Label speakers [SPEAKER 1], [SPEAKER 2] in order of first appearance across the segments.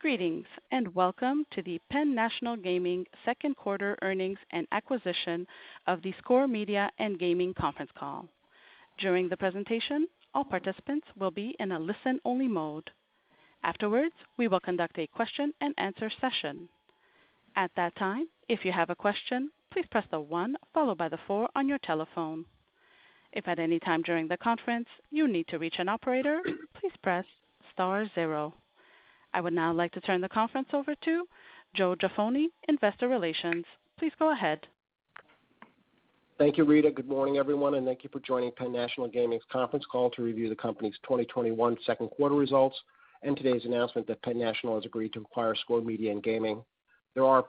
[SPEAKER 1] Greetings, and welcome to the PENN Entertainment second quarter earnings and acquisition of the Score Media and Gaming conference call. I would now like to turn the conference over to Joseph N. Jaffoni, investor relations. Please go ahead.
[SPEAKER 2] Thank you, Rita. Good morning, everyone, and thank you for joining PENN Entertainment's conference call to review the company's 2021 second quarter results and today's announcement that PENN Entertainment has agreed to acquire Score Media and Gaming. There are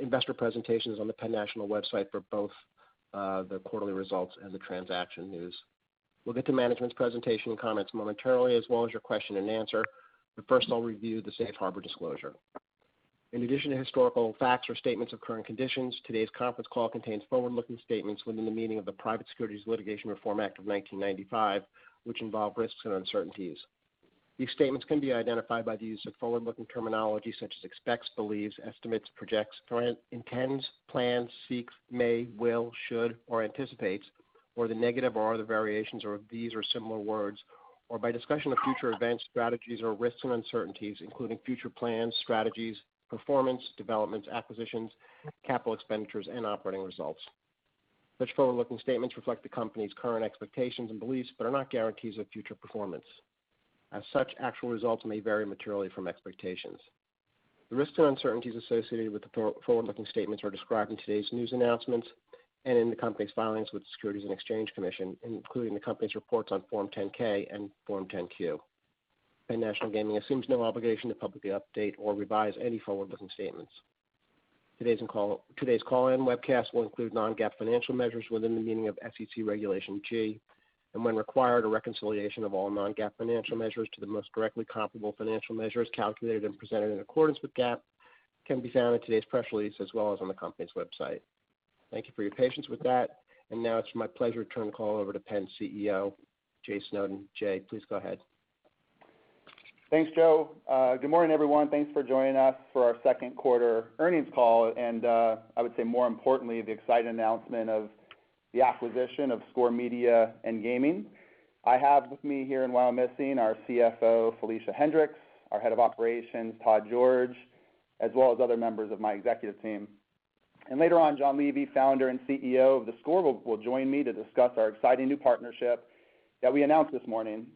[SPEAKER 2] investor presentations on the PENN Entertainment website for both the quarterly results and the transaction news. We'll get to management's presentation and comments momentarily, as well as your question and answer, but first I'll review the safe harbor disclosure. In addition to historical facts or statements of current conditions, today's conference call contains forward-looking statements within the meaning of the Private Securities Litigation Reform Act of 1995, which involve risks and uncertainties. These statements can be identified by the use of forward-looking terminology such as "expects," "believes," "estimates," "projects," "intends," "plans," "seeks," "may," "will," "should," or "anticipates," or the negative or other variations of these or similar words, or by discussion of future events, strategies, or risks and uncertainties, including future plans, strategies, performance, developments, acquisitions, capital expenditures, and operating results. Such forward-looking statements reflect the company's current expectations and beliefs but are not guarantees of future performance. As such, actual results may vary materially from expectations. The risks and uncertainties associated with the forward-looking statements are described in today's news announcements and in the company's filings with the Securities and Exchange Commission, including the company's reports on Form 10-K and Form 10-Q. Penn National Gaming assumes no obligation to publicly update or revise any forward-looking statements. Today's call and webcast will include non-GAAP financial measures within the meaning of SEC Regulation G, and when required, a reconciliation of all non-GAAP financial measures to the most directly comparable financial measures calculated and presented in accordance with GAAP can be found in today's press release as well as on the company's website. Thank you for your patience with that. Now it's my pleasure to turn the call over to PENN CEO, Jay Snowden. Jay, please go ahead.
[SPEAKER 3] Thanks, Joe. Good morning, everyone. Thanks for joining us for our second quarter earnings call, and I would say more importantly, the exciting announcement of the acquisition of Score Media and Gaming. I have with me here in Wyomissing our CFO, Felicia Hendrix; our Head of Operations, Todd George; as well as other members of my executive team. Later on, John Levy, Founder and CEO of theScore, will join me to discuss our exciting new partnership that we announced this morning.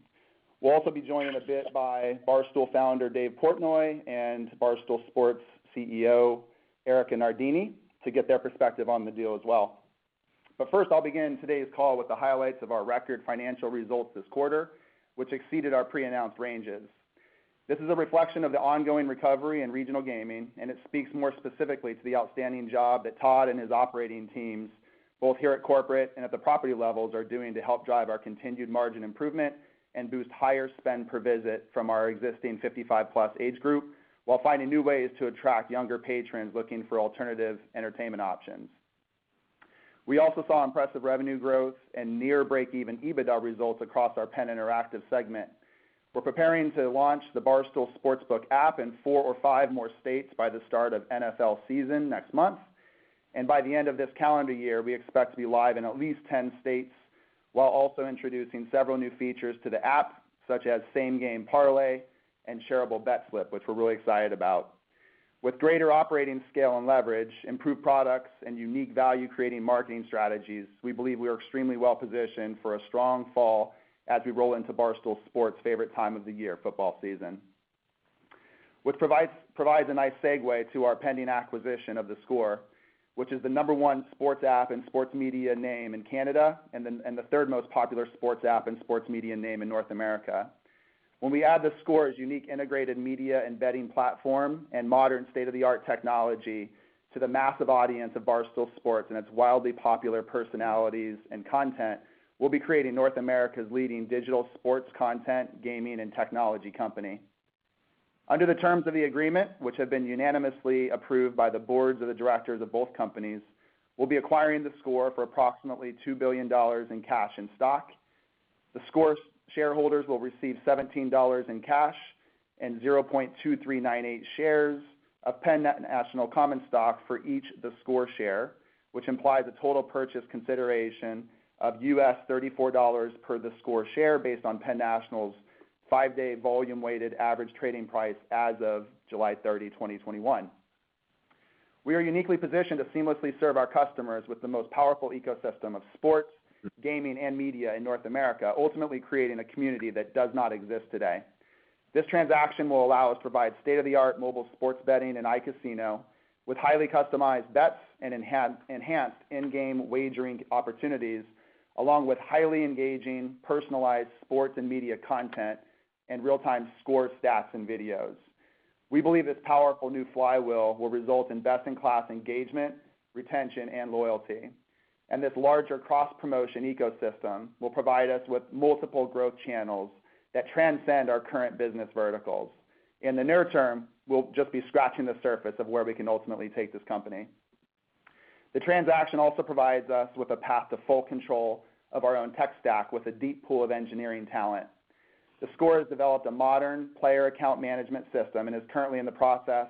[SPEAKER 3] We'll also be joined in a bit by Barstool founder Dave Portnoy and Barstool Sports CEO Erika Nardini to get their perspective on the deal as well. First, I'll begin today's call with the highlights of our record financial results this quarter, which exceeded our pre-announced ranges. This is a reflection of the ongoing recovery in regional gaming, and it speaks more specifically to the outstanding job that Todd and his operating teams, both here at corporate and at the property levels, are doing to help drive our continued margin improvement and boost higher spend per visit from our existing 55-plus age group while finding new ways to attract younger patrons looking for alternative entertainment options. We also saw impressive revenue growth and near break-even EBITDA results across our Penn Interactive segment. We're preparing to launch the Barstool Sportsbook app in four or five more states by the start of NFL season next month. By the end of this calendar year, we expect to be live in at least 10 states while also introducing several new features to the app, such as Same Game Parlay and Shareable Bet Slip, which we're really excited about. With greater operating scale and leverage, improved products, and unique value-creating marketing strategies, we believe we are extremely well-positioned for a strong fall as we roll into Barstool Sports' favorite time of the year, football season. Which provides a nice segue to our pending acquisition of theScore, which is the number one sports app and sports media name in Canada and the third most popular sports app and sports media name in North America. When we add theScore's unique integrated media and betting platform and modern state-of-the-art technology to the massive audience of Barstool Sports and its wildly popular personalities and content: we'll be creating North America's leading digital sports content, gaming, and technology company. Under the terms of the agreement, which have been unanimously approved by the boards of the directors of both companies, we'll be acquiring theScore for approximately $2 billion in cash and stock. TheScore shareholders will receive $17 in cash and 0.2398 shares of PENN National common stock for each theScore share, which implies a total purchase consideration of $34 per theScore share based on PENN National's five-day volume-weighted average trading price as of July 30, 2021. We are uniquely positioned to seamlessly serve our customers with the most powerful ecosystem of sports, gaming, and media in North America, ultimately creating a community that does not exist today. This transaction will allow us to provide state-of-the-art mobile sports betting and iCasino with highly customized bets and enhanced in-game wagering opportunities, along with highly engaging personalized sports and media content and real-time theScore stats and videos. We believe this powerful new flywheel will result in best-in-class engagement, retention, and loyalty. This larger cross-promotion ecosystem will provide us with multiple growth channels that transcend our current business verticals. In the near term, we'll just be scratching the surface of where we can ultimately take this company. The transaction also provides us with a path to full control of our own tech stack with a deep pool of engineering talent. TheScore has developed a modern player account management system and is currently in the process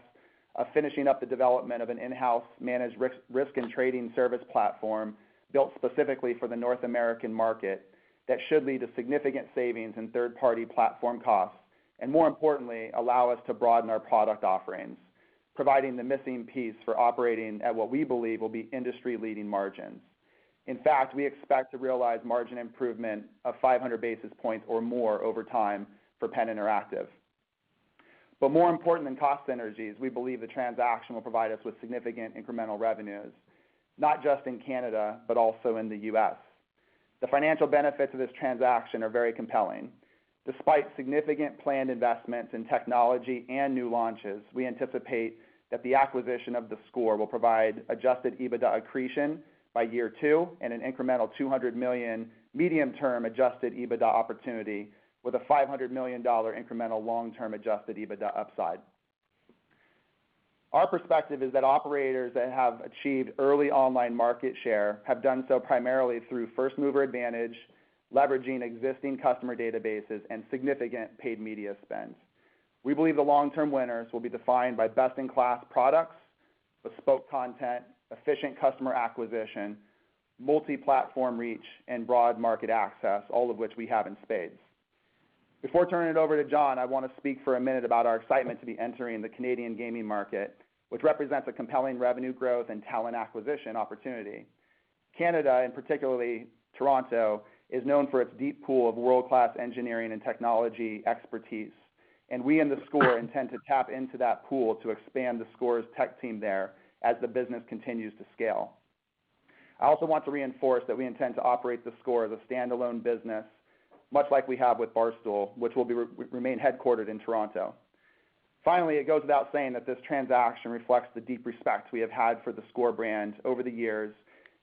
[SPEAKER 3] of finishing up the development of an in-house managed risk and trading service platform built specifically for the North American market that should lead to significant savings in third-party platform costs. More importantly, allow us to broaden our product offerings, providing the missing piece for operating at what we believe will be industry-leading margins. In fact, we expect to realize margin improvement of 500 basis points or more over time for Penn Interactive. More important than cost synergies, we believe the transaction will provide us with significant incremental revenues, not just in Canada, but also in the U.S. The financial benefits of this transaction are very compelling. Despite significant planned investments in technology and new launches, we anticipate that the acquisition of theScore will provide adjusted EBITDA accretion by year two and an incremental $200 million medium-term adjusted EBITDA opportunity with a $500 million incremental long-term adjusted EBITDA upside. Our perspective is that operators that have achieved early online market share have done so primarily through first-mover advantage, leveraging existing customer databases, and significant paid media spends. We believe the long-term winners will be defined by best-in-class products, bespoke content, efficient customer acquisition, multi-platform reach, and broad market access, all of which we have in spades. Before turning it over to John, I want to speak for a minute about our excitement to be entering the Canadian gaming market, which represents a compelling revenue growth and talent acquisition opportunity. Canada, and particularly Toronto, is known for its deep pool of world-class engineering and technology expertise, and we and theScore intend to tap into that pool to expand theScore's tech team there as the business continues to scale. I also want to reinforce that we intend to operate theScore as a standalone business, much like we have with Barstool, which will remain headquartered in Toronto. Finally, it goes without saying that this transaction reflects the deep respect we have had for theScore brand over the years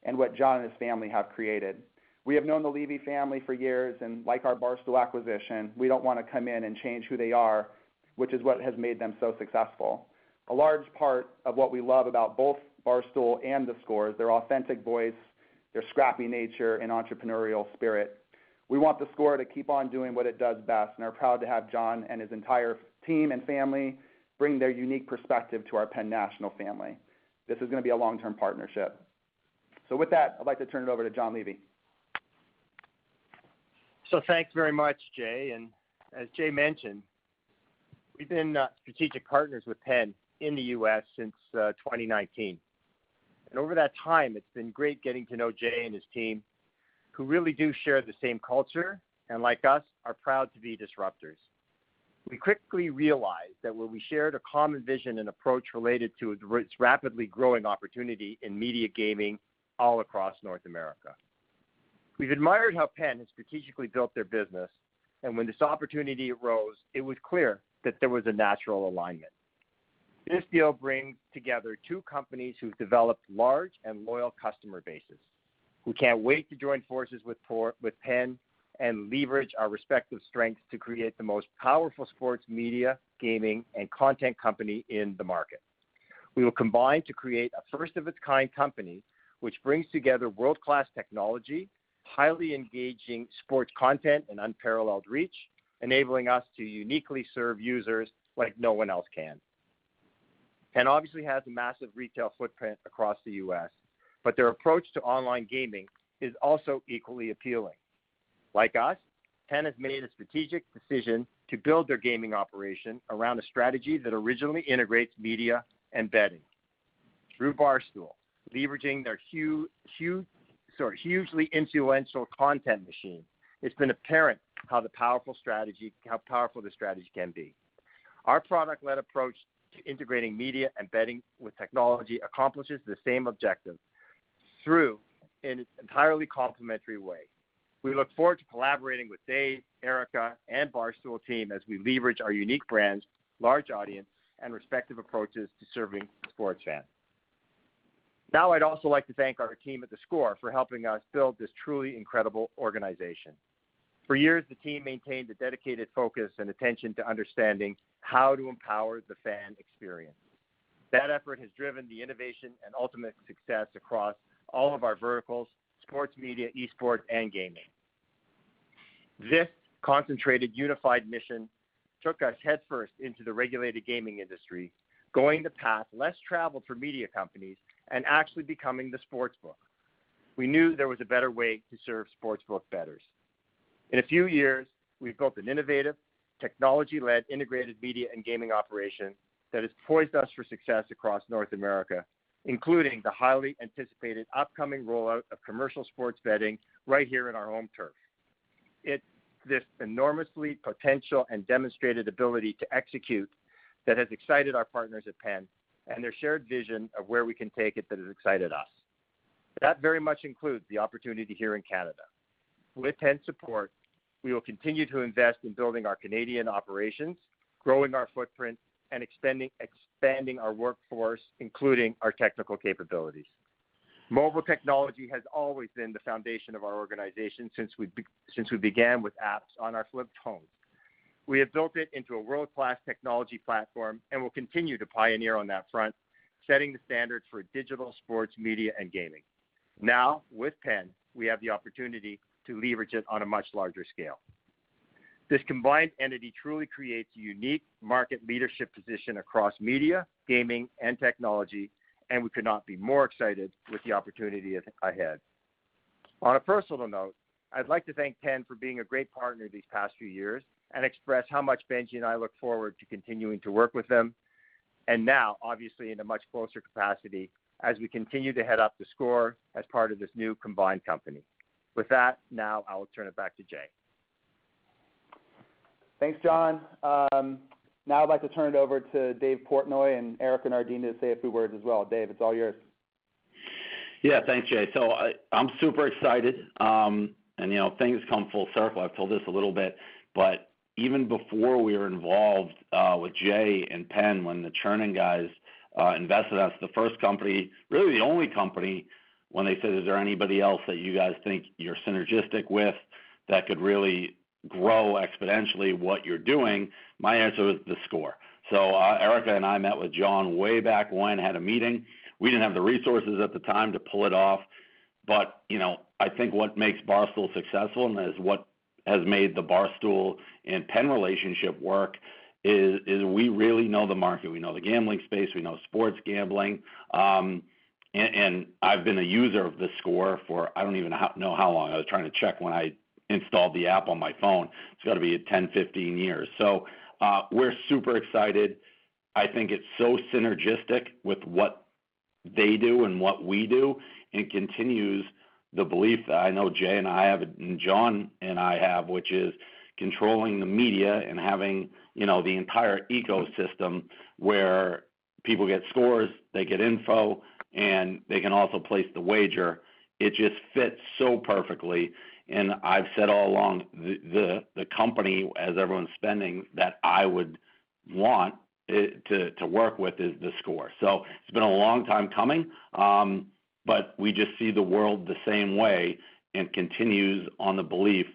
[SPEAKER 3] and what John and his family have created. We have known the Levy family for years, and like our Barstool acquisition, we don't want to come in and change who they are, which is what has made them so successful. A large part of what we love about both Barstool and theScore is their authentic voice, their scrappy nature, and entrepreneurial spirit. We want theScore to keep on doing what it does best and are proud to have John and his entire team and family bring their unique perspective to our PENN Entertainment family. This is going to be a long-term partnership. With that, I'd like to turn it over to John Levy.
[SPEAKER 4] Thanks very much, Jay. As Jay mentioned, we've been strategic partners with PENN in the U.S. since 2019. Over that time, it's been great getting to know Jay and his team, who really do share the same culture and, like us, are proud to be disruptors. We quickly realized that we shared a common vision and approach related to its rapidly growing opportunity in media gaming all across North America. We've admired how PENN has strategically built their business, and when this opportunity arose, it was clear that there was a natural alignment. This deal brings together two companies who've developed large and loyal customer bases. We can't wait to join forces with PENN and leverage our respective strengths to create the most powerful sports media, gaming, and content company in the market. We will combine to create a first-of-its-kind company which brings together world-class technology, highly engaging sports content, and unparalleled reach, enabling us to uniquely serve users like no one else can. PENN obviously has a massive retail footprint across the U.S., but their approach to online gaming is also equally appealing. Like us, PENN has made a strategic decision to build their gaming operation around a strategy that originally integrates media and betting. Through Barstool, leveraging their hugely influential content machine, it's been apparent how powerful the strategy can be. Our product-led approach to integrating media and betting with technology accomplishes the same objective through an entirely complementary way. We look forward to collaborating with Jay, Erika, and Barstool team as we leverage our unique brands, large audience, and respective approaches to serving sports fans. I'd also like to thank our team at theScore for helping us build this truly incredible organization. For years, the team maintained a dedicated focus and attention to understanding how to empower the fan experience. That effort has driven the innovation and ultimate success across all of our verticals: sports media, esports, and gaming. This concentrated, unified mission took us headfirst into the regulated gaming industry, going the path less traveled for media companies and actually becoming the sportsbook. We knew there was a better way to serve sportsbook bettors. In a few years, we've built an innovative, technology-led, integrated media and gaming operation that has poised us for success across North America, including the highly anticipated upcoming rollout of commercial sports betting right here in our home turf. It's this enormous potential and demonstrated ability to execute that has excited our partners at PENN and their shared vision of where we can take it that has excited us. That very much includes the opportunity here in Canada. With PENN's support, we will continue to invest in building our Canadian operations, growing our footprint, and expanding our workforce, including our technical capabilities. Mobile technology has always been the foundation of our organization since we began with apps on our flip phones. We have built it into a world-class technology platform and will continue to pioneer on that front, setting the standards for digital sports media and gaming. Now, with PENN, we have the opportunity to leverage it on a much larger scale. This combined entity truly creates a unique market leadership position across media, gaming, and technology, and we could not be more excited with the opportunity ahead. On a personal note, I'd like to thank PENN for being a great partner these past few years and express how much Benjie and I look forward to continuing to work with them, and now obviously in a much closer capacity as we continue to head up theScore as part of this new combined company. With that, now I will turn it back to Jay.
[SPEAKER 3] Thanks, John. Now I'd like to turn it over to Dave Portnoy and Erika Nardini to say a few words as well. Dave, it's all yours.
[SPEAKER 5] Thanks, Jay. I'm super excited. Things come full circle. I've told this a little bit, but even before we were involved with Jay and PENN, when the Chernin guys invested, that's the first company, really the only company, when they said, "Is there anybody else that you guys think you're synergistic with that could really grow exponentially what you're doing?" My answer was theScore. Erika and I met with John way back when we had a meeting. We didn't have the resources at the time to pull it off. I think what makes Barstool successful and what has made the Barstool and PENN relationship work is we really know the market. We know the gambling space. We know sports gambling. I've been a user of theScore for I don't even know how long. I was trying to check when I installed the app on my phone. It's got to be 10, 15 years. We're super excited. I think it's so synergistic with what they do and what we do and continues the belief that I know Jay and I have, and John and I have, which is controlling the media and having the entire ecosystem where people get scores, they get info, and they can also place the wager. It just fits so perfectly, and I've said all along, the company, as everyone's spending, that I would want to work with is theScore. It's been a long time coming, but we just see the world the same way and continue on the belief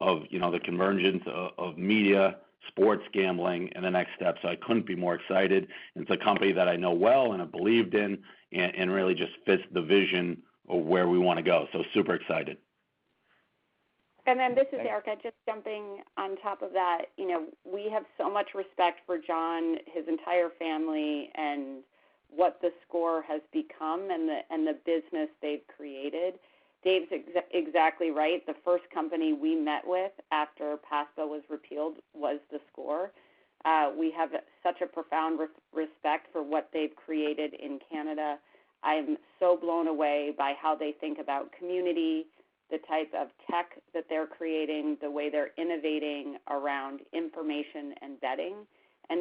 [SPEAKER 5] of the convergence of media, sports gambling, and the next steps. I couldn't be more excited. It's a company that I know well and have believed in and really just fits the vision of where we want to go. Super excited.
[SPEAKER 6] This is Erika, just jumping on top of that. We have so much respect for John, his entire family, and what theScore has become and the business they've created. Dave's exactly right. The first company we met with after PASPA was repealed was theScore. We have such a profound respect for what they've created in Canada. I'm so blown away by how they think about community, the type of tech that they're creating, the way they're innovating around information and betting.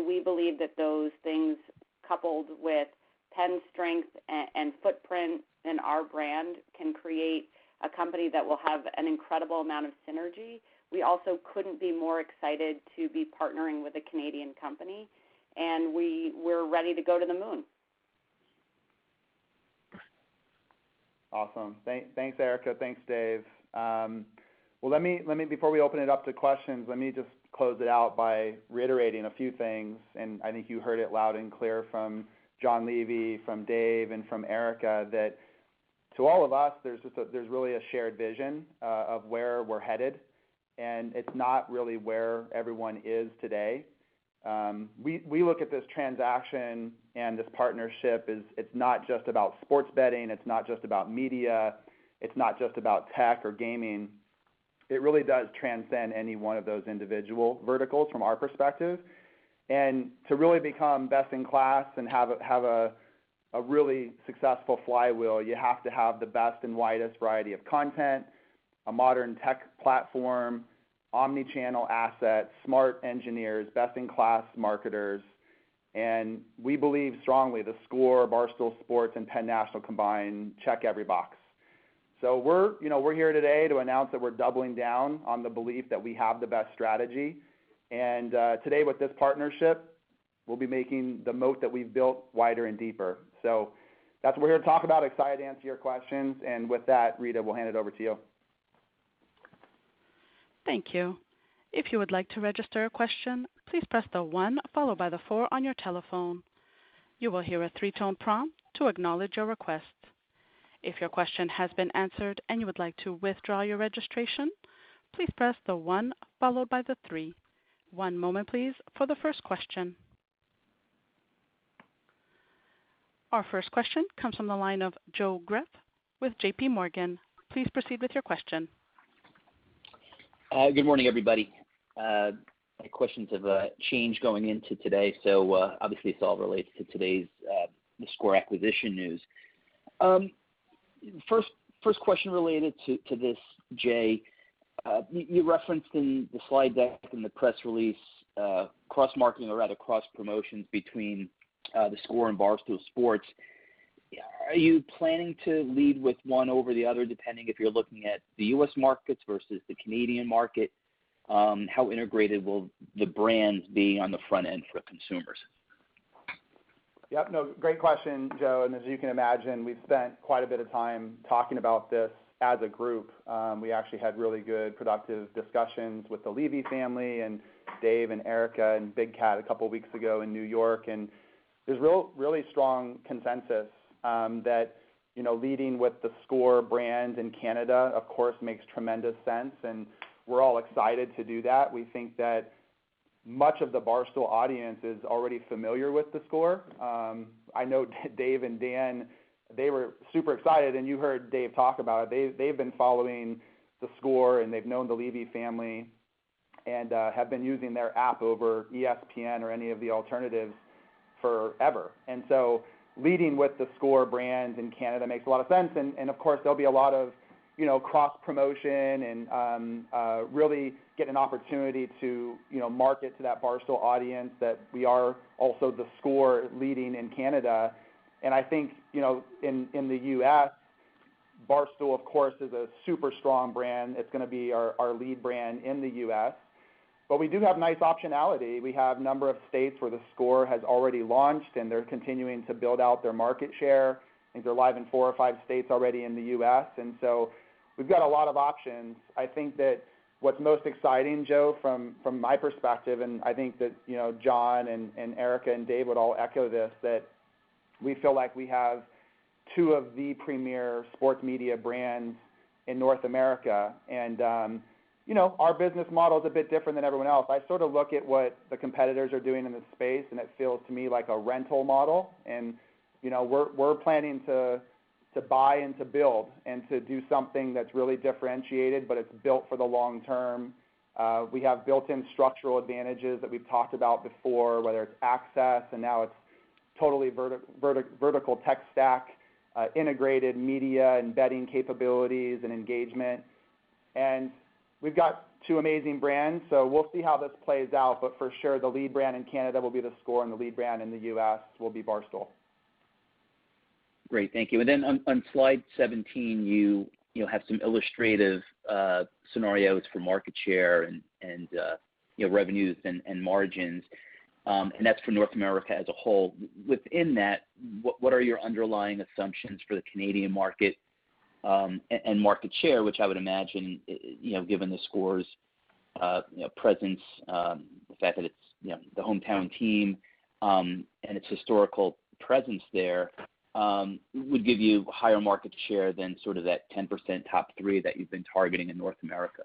[SPEAKER 6] We believe that those things, coupled with PENN's strength and footprint and our brand, can create a company that will have an incredible amount of synergy. We also couldn't be more excited to be partnering with a Canadian company, and we're ready to go to the moon.
[SPEAKER 3] Awesome. Thanks, Erika. Thanks, Dave. Before we open it up to questions, let me just close it out by reiterating a few things, and I think you heard it loud and clear from John Levy, from Dave, and from Erika, that to all of us, there is really a shared vision of where we are headed, and it is not really where everyone is today. We look at this transaction and this partnership, as it is not just about sports betting; it is not just about media; it is not just about tech or gaming. It really does transcend any one of those individual verticals from our perspective. To really become best-in-class and have a really successful flywheel, you have to have the best and widest variety of content, a modern tech platform, omni-channel assets, smart engineers, best-in-class marketers. We believe strongly theScore, Barstool Sports, and PENN National combined check every box. We're here today to announce that we're doubling down on the belief that we have the best strategy. Today with this partnership, we'll be making the moat that we've built wider and deeper. That's what we're here to talk about. Excited to answer your questions. With that, Rita, we'll hand it over to you.
[SPEAKER 1] Our first question comes from the line of Joe Greff with JPMorgan. Please proceed with your question.
[SPEAKER 7] Good morning, everybody. My questions have changed going into today. Obviously it's all related to today's theScore acquisition news. First question related to this, Jay. You referenced in the slide deck in the press release cross-marketing, or rather cross-promotions, between theScore and Barstool Sports. Are you planning to lead with one over the other, depending on if you're looking at the U.S. markets versus the Canadian market? How integrated will the brands be on the front end for consumers?
[SPEAKER 3] No, great question, Joe. As you can imagine, we've spent quite a bit of time talking about this as a group. We actually had really good, productive discussions with the Levy family and Dave and Erika Nardini and Dan Katz a couple of weeks ago in New York. There's really strong consensus that leading with theScore brand in Canada, of course, makes tremendous sense, and we're all excited to do that. We think that much of the Barstool audience is already familiar with theScore. I know Dave and Dan; they were super excited, and you heard Dave talk about it. They've been following theScore, and they've known the Levy family and have been using their app over ESPN or any of the alternatives forever. Leading with theScore brand in Canada makes a lot of sense. Of course, there'll be a lot of cross-promotion and really get an opportunity to market to that Barstool audience that we are also theScore leading in Canada. I think, in the U.S., Barstool, of course, is a super strong brand. It's going to be our lead brand in the U.S. We do have nice optionality. We have a number of states where theScore has already launched, and they're continuing to build out their market share. I think they live in four or five states already in the U.S., and so we've got a lot of options. I think that what's most exciting, Joe, from my perspective, and I think that John and Erika and Dave would all echo this, that we feel like we have two of the premier sports media brands in North America. Our business model is a bit different than everyone else. I sort of look at what the competitors are doing in this space, and it feels to me like a rental model. We're planning to buy and to build and to do something that's really differentiated, but it's built for the long term. We have built-in structural advantages that we've talked about before, whether it's access, and now it's totally vertical tech stack, integrated media and betting capabilities and engagement. We've got two amazing brands, so we'll see how this plays out. For sure, the lead brand in Canada will be theScore, and the lead brand in the U.S. will be Barstool.
[SPEAKER 7] Great. Thank you. On slide 17, you have some illustrative scenarios for market share and revenues and margins. That's for North America as a whole. Within that, what are your underlying assumptions for the Canadian market and market share, which I would imagine, given theScore's presence, the fact that it's the hometown team, and its historical presence there, would give you higher market share than sort of that 10% top three that you've been targeting in North America?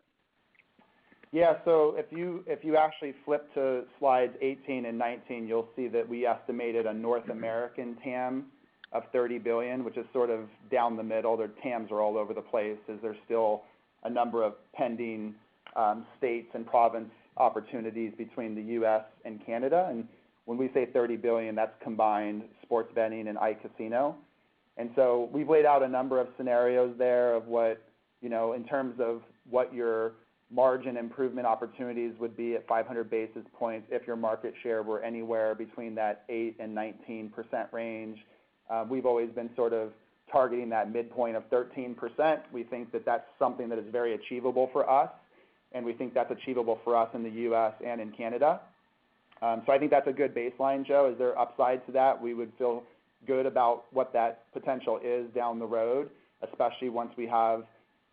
[SPEAKER 3] If you actually flip to slides 18 and 19, you'll see that we estimated a North American TAM of $30 billion, which is sort of down the middle. The TAMs are all over the place as there's still a number of pending states and province opportunities between the U.S. and Canada. When we say $30 billion, that's combined sports betting and iCasino. We've laid out a number of scenarios there of what, in terms of what your margin improvement opportunities would be at 500 basis points if your market share were anywhere between that 8 and 19% range. We've always been sort of targeting that midpoint of 13%. We think that that's something that is very achievable for us, and we think that's achievable for us in the U.S. and in Canada. I think that's a good baseline, Joe. Is there an upside to that? We would feel good about what that potential is down the road, especially once we have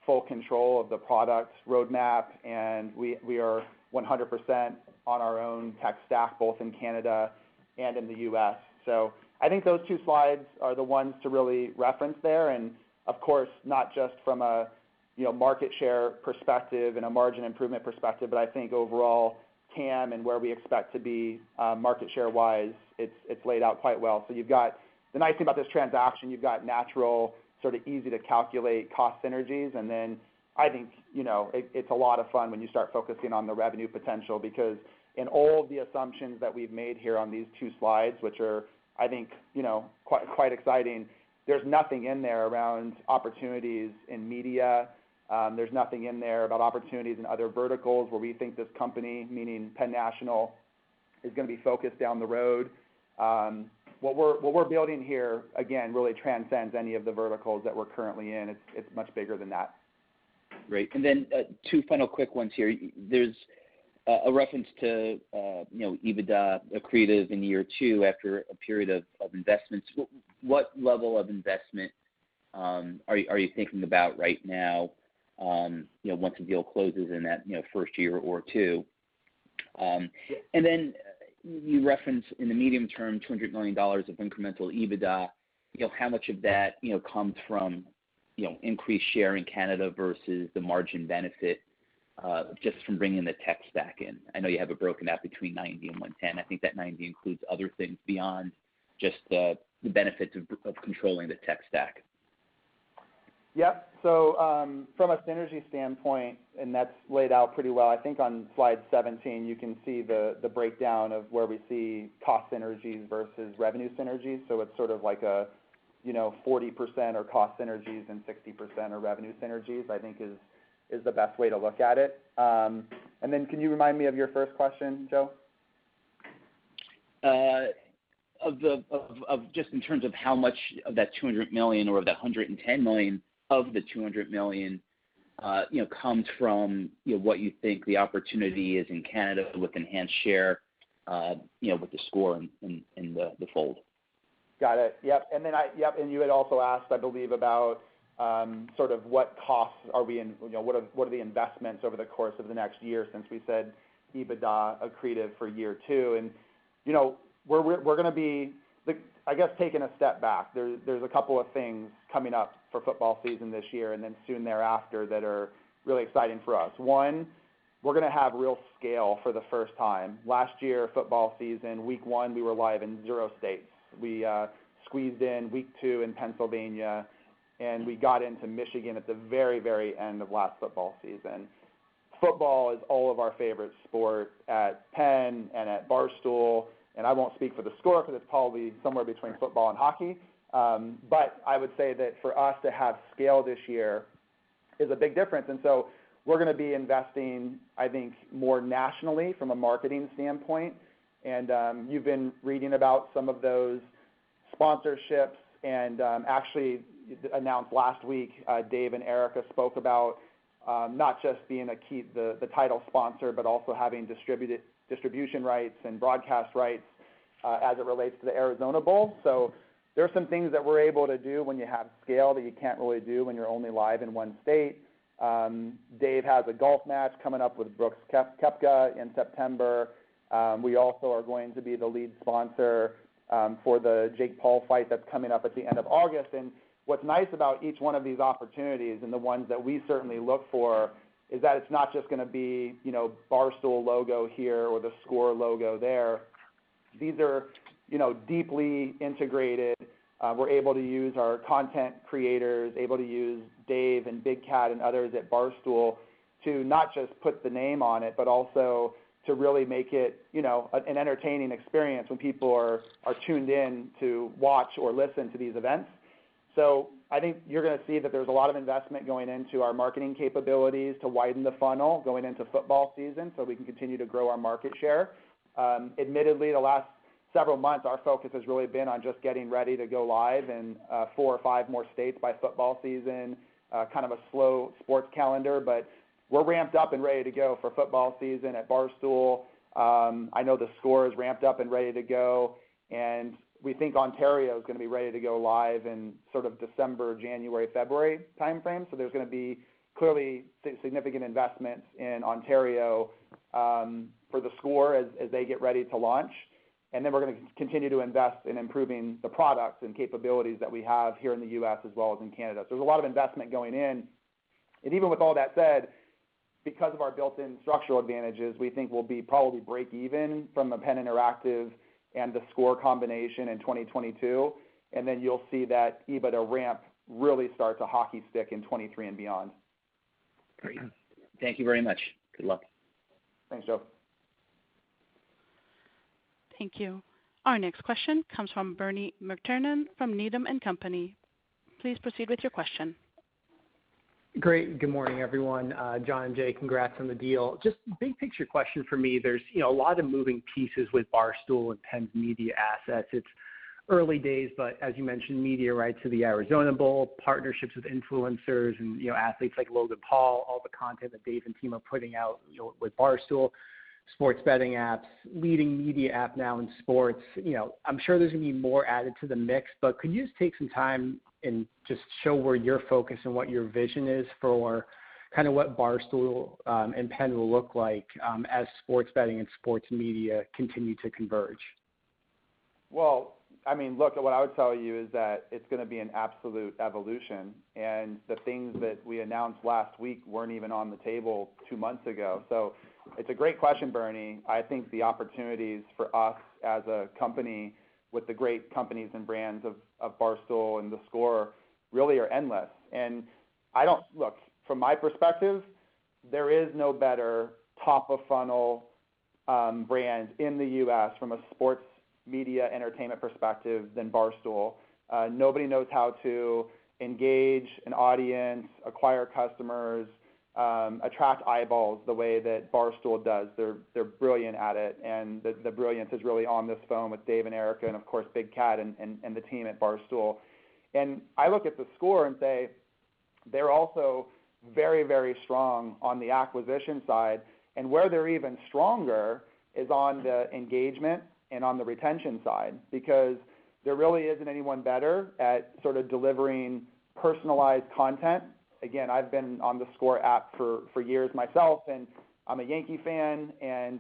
[SPEAKER 3] full control of the product roadmap and we are 100% on our own tech stack, both in Canada and in the U.S. I think those two slides are the ones to really reference there. Of course, not just from a market share perspective and a margin improvement perspective, but I think overall TAM and where we expect to be market share-wise, it's laid out quite well. The nice thing about this transaction, you've got natural, sort of easy-to-calculate cost synergies. I think it's a lot of fun when you start focusing on the revenue potential, because in all the assumptions that we've made here on these two slides, which are, I think, quite exciting, there's nothing in there around opportunities in media. There's nothing in there about opportunities in other verticals where we think this company, meaning Penn National, is going to be focused down the road. What we're building here, again, really transcends any of the verticals that we're currently in. It's much bigger than that.
[SPEAKER 7] Great. Two final quick ones here. There's a reference to EBITDA accretive in year two after a period of investments. What level of investment are you thinking about right now once the deal closes in that first year or two? You reference in the medium term $200 million of incremental EBITDA. How much of that comes from increased share in Canada versus the margin benefit just from bringing the tech stack in? I know you have it broken out between 90 and 110. I think that 90 includes other things beyond just the benefits of controlling the tech stack.
[SPEAKER 3] From a synergy standpoint, and that's laid out pretty well, I think on slide 17, you can see the breakdown of where we see cost synergies versus revenue synergies. It's sort of like 40% are cost synergies and 60% are revenue synergies; I think is the best way to look at it. Then can you remind me of your first question, Joe?
[SPEAKER 7] Of just in terms of how much of that $200 million or of the $110 million, of the $200 million comes from what you think the opportunity is in Canada with enhanced share, with theScore in the fold.
[SPEAKER 3] Got it. Yep. You had also asked, I believe, about what are the investments over the course of the next year since we said EBITDA accretive for year two. We're going to be, I guess, taking a step back. There's a couple of things coming up for football season this year, and then soon thereafter, that are really exciting for us. One, we're going to have real scale for the first time. Last year, football season, week one, we were live in zero states. We squeezed in week two in Pennsylvania, and we got into Michigan at the very end of last football season. Football is all of our favorite sport at PENN and at Barstool, and I won't speak for theScore because it's probably somewhere between football and hockey. I would say that for us to have scale this year is a big difference. We're going to be investing, I think, more nationally from a marketing standpoint, and you've been reading about some of those sponsorships, and actually, announced last week, Dave and Erika spoke about not just being the title sponsor but also having distribution rights and broadcast rights as it relates to the Arizona Bowl. There are some things that we're able to do when you have scale that you can't really do when you're only live in one state. Dave has a golf match coming up with Brooks Koepka in September. We also are going to be the lead sponsor for the Jake Paul fight that's coming up at the end of August. What's nice about each one of these opportunities, and the ones that we certainly look for, is that it's not just going to be Barstool logo here or theScore logo there. These are deeply integrated. We're able to use our content creators, able to use Dave and Dan Katz and others at Barstool to not just put the name on it, but also to really make it an entertaining experience when people are tuned in to watch or listen to these events. I think you're going to see that there's a lot of investment going into our marketing capabilities to widen the funnel going into football season so we can continue to grow our market share. Admittedly, the last several months, our focus has really been on just getting ready to go live in four or five more states by football season. Kind of a slow sports calendar, but we're ramped up and ready to go for football season at Barstool. I know theScore is ramped up and ready to go. We think Ontario is going to be ready to go live in December, January, February timeframe. There's going to be clearly significant investments in Ontario for theScore as they get ready to launch. Then we're going to continue to invest in improving the products and capabilities that we have here in the U.S. as well as in Canada. There's a lot of investment going in. Even with all that said, because of our built-in structural advantages, we think we'll be probably break even from the Penn Interactive and theScore combination in 2022. Then you'll see that EBITDA ramp really start to hockey-stick in 2023 and beyond.
[SPEAKER 7] Great. Thank you very much. Good luck.
[SPEAKER 3] Thanks, Joe.
[SPEAKER 1] Thank you. Our next question comes from Bernie McTernan from Needham & Company. Please proceed with your question.
[SPEAKER 8] Great, good morning, everyone. John and Jay, congrats on the deal. Just big picture question from me. There's a lot of moving pieces with Barstool and PENN's media assets. It's early days, but as you mentioned, media rights to the Arizona Bowl, partnerships with influencers and athletes like Logan Paul, all the content that Dave and team are putting out with Barstool, sports betting apps, leading media app now in sports. I'm sure there's going to be more added to the mix, but could you just take some time and just show where your focus and what your vision is for what Barstool and PENN will look like as sports betting and sports media continue to converge?
[SPEAKER 3] Well, look, what I would tell you is that it's going to be an absolute evolution. The things that we announced last week weren't even on the table two months ago. It's a great question, Bernie. I think the opportunities for us as a company with the great companies and brands of Barstool and theScore really are endless. Look, from my perspective, there is no better top-of-funnel brand in the U.S. from a sports media entertainment perspective than Barstool. Nobody knows how to engage an audience, acquire customers, attract eyeballs the way that Barstool does. They're brilliant at it. The brilliance is really on this phone with Dave and Erika and, of course, Dan Katz and the team at Barstool. I look at theScore and say they're also very strong on the acquisition side. Where they're even stronger is on the engagement and on the retention side, because there really isn't anyone better at sort of delivering personalized content. Again, I've been on theScore app for years myself, and I'm a Yankee fan, and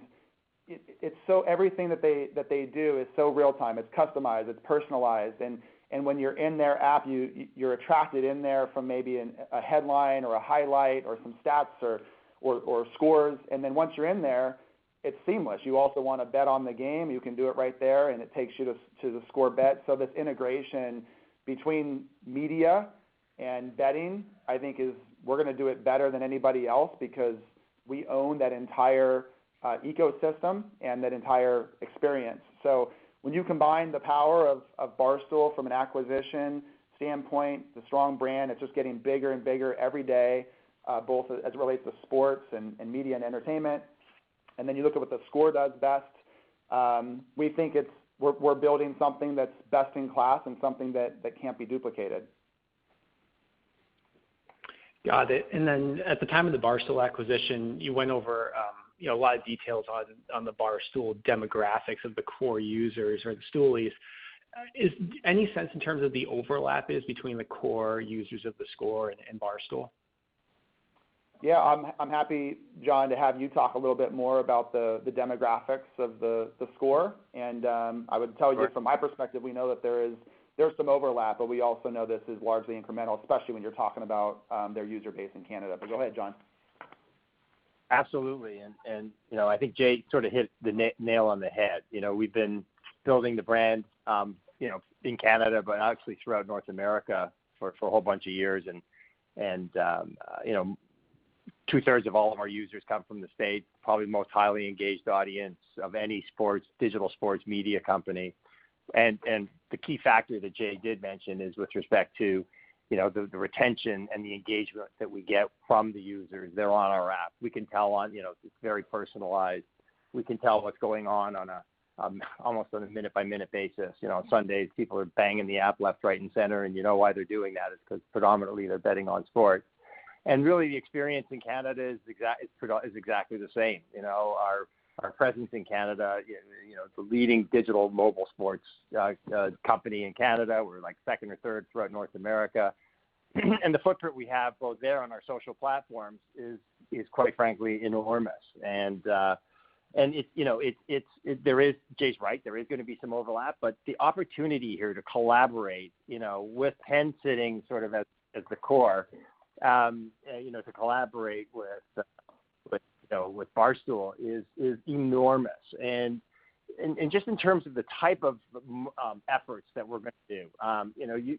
[SPEAKER 3] everything that they do is so real-time. It's customized, it's personalized, and when you're in their app, you're attracted in there from maybe a headline or a highlight or some stats or scores. Once you're in there, it's seamless. You also want to bet on the game. You can do it right there, and it takes you to theScore Bet. This integration between media and betting, I think we're going to do it better than anybody else because we own that entire ecosystem and that entire experience. When you combine the power of Barstool from an acquisition standpoint, the strong brand, it's just getting bigger and bigger every day, both as it relates to sports and media and entertainment. You look at what theScore does best. We think we're building something that's best in class and something that can't be duplicated.
[SPEAKER 8] Got it. At the time of the Barstool acquisition, you went over a lot of details on the Barstool demographics of the core users or the Stoolies. Is any sense in terms of the overlap is between the core users of theScore and Barstool?
[SPEAKER 3] I'm happy, John, to have you talk a little bit more about the demographics of theScore and.
[SPEAKER 4] Sure
[SPEAKER 3] I would tell you from my perspective, we know that there is some overlap, but we also know this is largely incremental, especially when you're talking about their user base in Canada. Go ahead, John.
[SPEAKER 4] Absolutely. I think Jay sort of hit the nail on the head. We've been building the brand in Canada, but actually throughout North America for a whole bunch of years. Two-thirds of all of our users come from the States, probably the most highly engaged audience of any digital sports media company. The key factor that Jay did mention is with respect to the retention and the engagement that we get from the users that are on our app. We can tell it's very personalized. We can tell what's going on almost on a minute-by-minute basis. On Sundays, people are banging the app left, right, and center. You know why they're doing that? It's because predominantly they're betting on sports. Really the experience in Canada is exactly the same. Our presence in Canada, the leading digital mobile sports company in Canada. We're second or third throughout North America. The footprint we have both there on our social platforms is quite frankly, enormous. Jay's right, there is going to be some overlap, but the opportunity here to collaborate with PENN, sitting sort of as the core, to collaborate with Barstool is enormous. Just in terms of the type of efforts that we're going to do.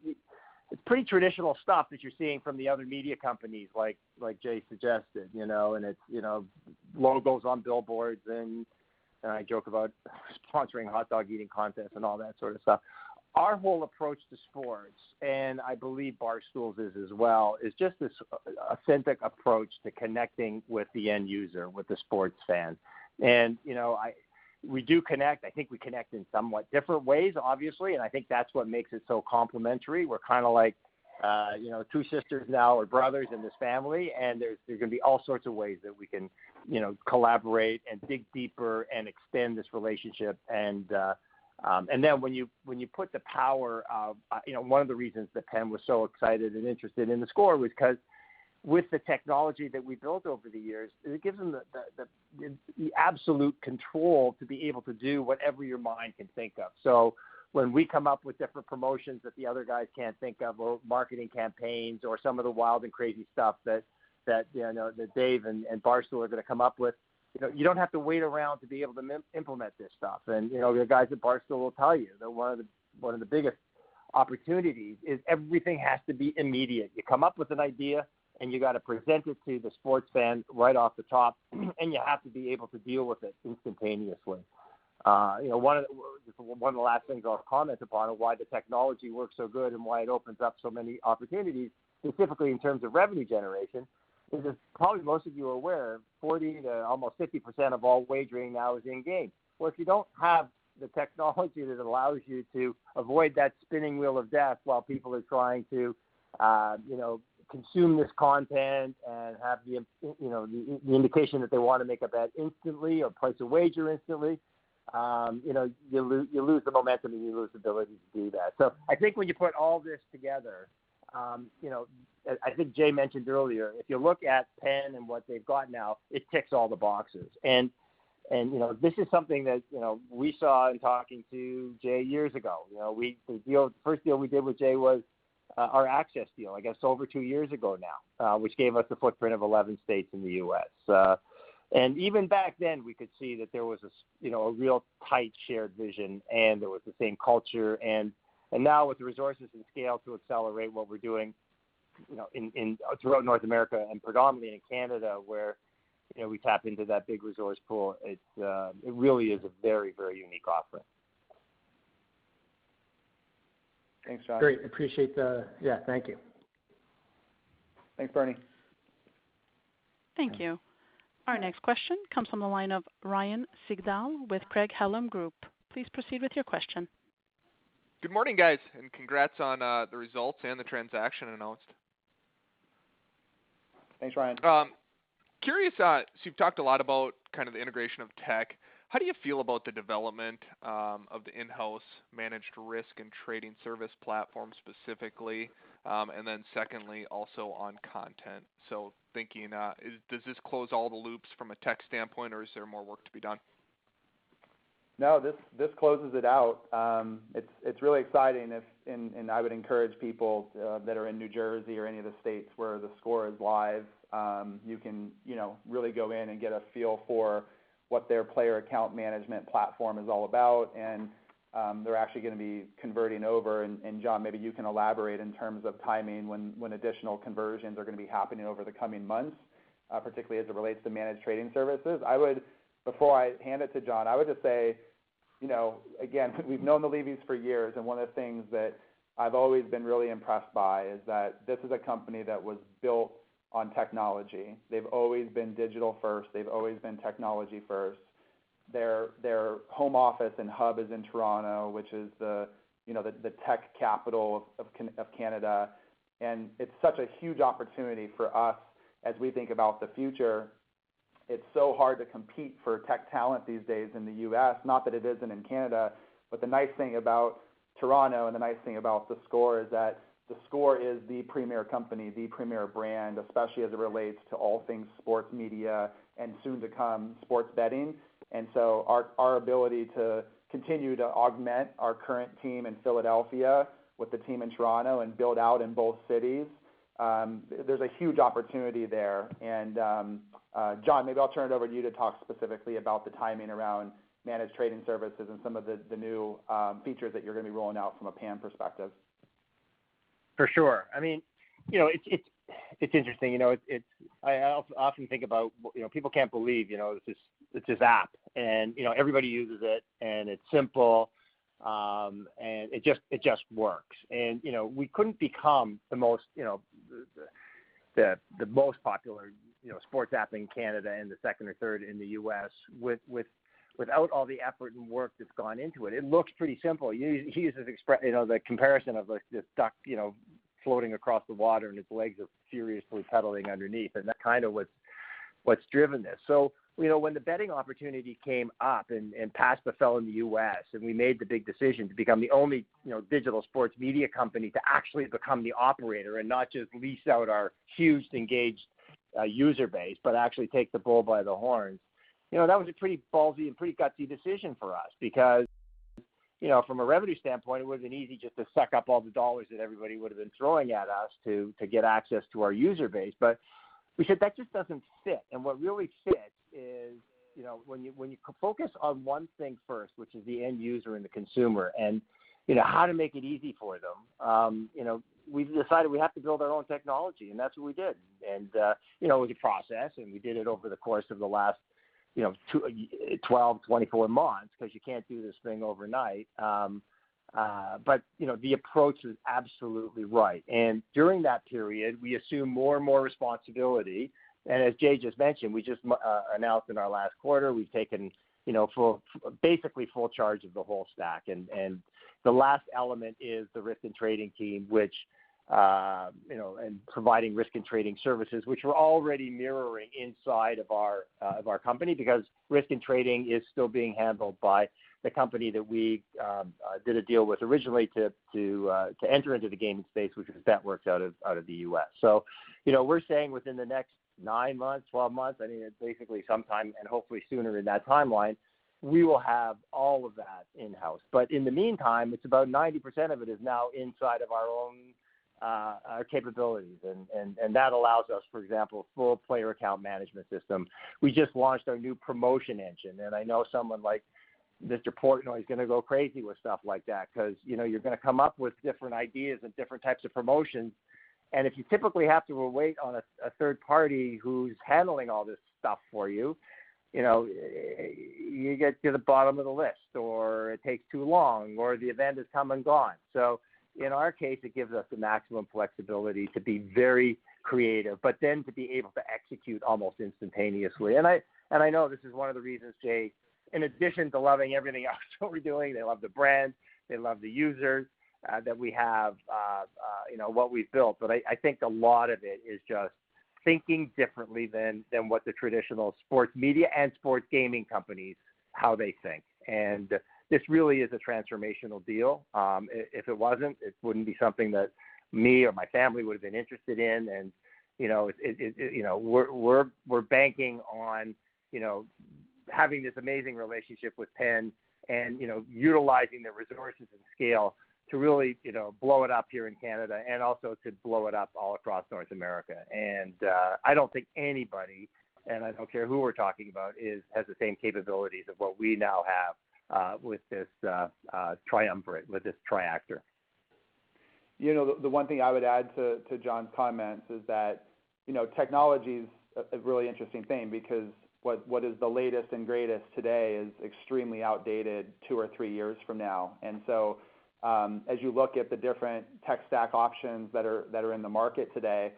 [SPEAKER 4] It's pretty traditional stuff that you're seeing from the other media companies like Jay suggested. It's logos on billboards, and I joke about sponsoring hot dog eating contests and all that sort of stuff. Our whole approach to sports, and I believe Barstool's is as well, is just this authentic approach to connecting with the end user, with the sports fan. We do connect. I think we connect in somewhat different ways, obviously, and I think that's what makes it so complementary. We're kind of like two sisters now or brothers in this family; there's going to be all sorts of ways that we can collaborate and dig deeper and extend this relationship. One of the reasons that PENN was so excited and interested in theScore was because with the technology that we built over the years, it gives them the absolute control to be able to do whatever your mind can think of. When we come up with different promotions that the other guys can't think of, or marketing campaigns, or some of the wild and crazy stuff that Dave and Barstool are going to come up with, you don't have to wait around to be able to implement this stuff. The guys at Barstool will tell you that one of the biggest opportunities is everything has to be immediate. You come up with an idea, and you got to present it to the sports fan right off the top, and you have to be able to deal with it instantaneously. One of the last things I'll comment upon on why the technology works so good and why it opens up so many opportunities, specifically in terms of revenue generation, is as probably most of you are aware, 40% to almost 50% of all wagering now is in-game. Well, if you don't have the technology that allows you to avoid that spinning wheel of death while people are trying to consume this content and have the indication that they want to make a bet instantly or place a wager instantly, you lose the momentum and you lose the ability to do that. I think when you put all this together, I think Jay mentioned earlier, if you look at PENN and what they've got now, it ticks all the boxes. This is something that we saw in talking to Jay years ago. The first deal we did with Jay was our access deal, I guess, over two years ago now, which gave us a footprint of 11 states in the U.S. Even back then, we could see that there was a real tight, shared vision, and there was the same culture. Now with the resources and scale to accelerate what we're doing throughout North America and predominantly in Canada, where we tap into that big resource pool, it really is a very, very unique offering.
[SPEAKER 3] Thanks, John.
[SPEAKER 8] Great. Appreciate that. Yeah, thank you.
[SPEAKER 3] Thanks, Bernie.
[SPEAKER 1] Thank you. Our next question comes from the line of Ryan Sigdahl with Craig-Hallum Group. Please proceed with your question.
[SPEAKER 9] Good morning, guys. Congrats on the results and the transaction announced.
[SPEAKER 3] Thanks, Ryan.
[SPEAKER 9] Curious, you've talked a lot about kind of the integration of tech. How do you feel about the development of the in-house managed risk and trading service platform specifically? Secondly, also on content. Thinking, does this close all the loops from a tech standpoint, or is there more work to be done?
[SPEAKER 3] No, this closes it out. It's really exciting, and I would encourage people that are in New Jersey or any of the states where theScore is live, you can really go in and get a feel for what their player account management platform is all about. They're actually going to be converting over, and John, maybe you can elaborate in terms of timing when additional conversions are going to be happening over the coming months, particularly as it relates to managed trading services. Before I hand it to John, I would just say, again, we've known the Levys for years, and one of the things that I've always been really impressed by is that this is a company that was built on technology. They've always been digital first. They've always been technology first. Their home office and hub is in Toronto, which is the tech capital of Canada. It's such a huge opportunity for us as we think about the future. It's so hard to compete for tech talent these days in the U.S., not that it isn't in Canada, but the nice thing about Toronto and the nice thing about theScore is that theScore is the premier company, the premier brand, especially as it relates to all things sports media and soon to come, sports betting. Our ability to continue to augment our current team in Philadelphia with the team in Toronto and build out in both cities—there's a huge opportunity there. John, maybe I'll turn it over to you to talk specifically about the timing around managed trading services and some of the new features that you're going to be rolling out from a PENN perspective.
[SPEAKER 4] For sure. It's interesting. I often think about people can't believe it's this app, and everybody uses it, and it's simple, and it just works. We couldn't become the most popular sports app in Canada and the second or third in the U.S. without all the effort and work that's gone into it. It looks pretty simple. You use the comparison of this duck floating across the water, and its legs are furiously pedaling underneath, and that's kind of what's driven this. When the betting opportunity came up and PASPA fell in the U.S. and we made the big decision to become the only digital sports media company to actually become the operator and not just lease out our huge engaged user base, but actually take the bull by the horns, that was a pretty ballsy and pretty gutsy decision for us because, from a revenue standpoint, it wasn't easy just to suck up all the dollars that everybody would've been throwing at us to get access to our user base. We said, "That just doesn't fit." What really fits is when you focus on one thing first, which is the end user and the consumer, and how to make it easy for them. We've decided we have to build our own technology, and that's what we did. We could process, and we did it over the course of the last 12, 24 months, because you can't do this thing overnight. The approach is absolutely right. During that period, we assume more and more responsibility, and as Jay just mentioned, we just announced in our last quarter, we've taken basically full charge of the whole stack. The last element is the risk and trading team, and providing risk and trading services, which we're already mirroring inside of our company because risk and trading is still being handled by the company that we did a deal with originally to enter into the gaming space, which was Bet.Works out of the U.S. We're saying within the next nine months, 12 months, basically sometime and hopefully sooner in that timeline, we will have all of that in-house. In the meantime, it's about 90% of it is now inside of our own capabilities. That allows us, for example, full player account management system. We just launched our new promotion engine, and I know someone like Mr. Portnoy's going to go crazy with stuff like that because you're going to come up with different ideas and different types of promotions, and if you typically have to wait on a third party who's handling all this stuff for you get to the bottom of the list, or it takes too long, or the event has come and gone. In our case, it gives us the maximum flexibility to be very creative but then to be able to execute almost instantaneously. I know this is one of the reasons, Jay, in addition to loving everything else that we're doing, they love the brand, they love the users that we have, what we've built. I think a lot of it is just thinking differently than what the traditional sports media and sports gaming companies, how they think. This really is a transformational deal. If it wasn't, it wouldn't be something that me or my family would've been interested in. We're banking on having this amazing relationship with PENN Entertainment and utilizing their resources and scale to really blow it up here in Canada and also to blow it up all across North America. I don't think anybody, and I don't care who we're talking about, has the same capabilities of what we now have with this triumvirate, with this triactor.
[SPEAKER 3] The one thing I would add to John's comments is that technology's a really interesting thing because what is the latest and greatest today is extremely outdated two or three years from now. As you look at the different tech stack options that are in the market today,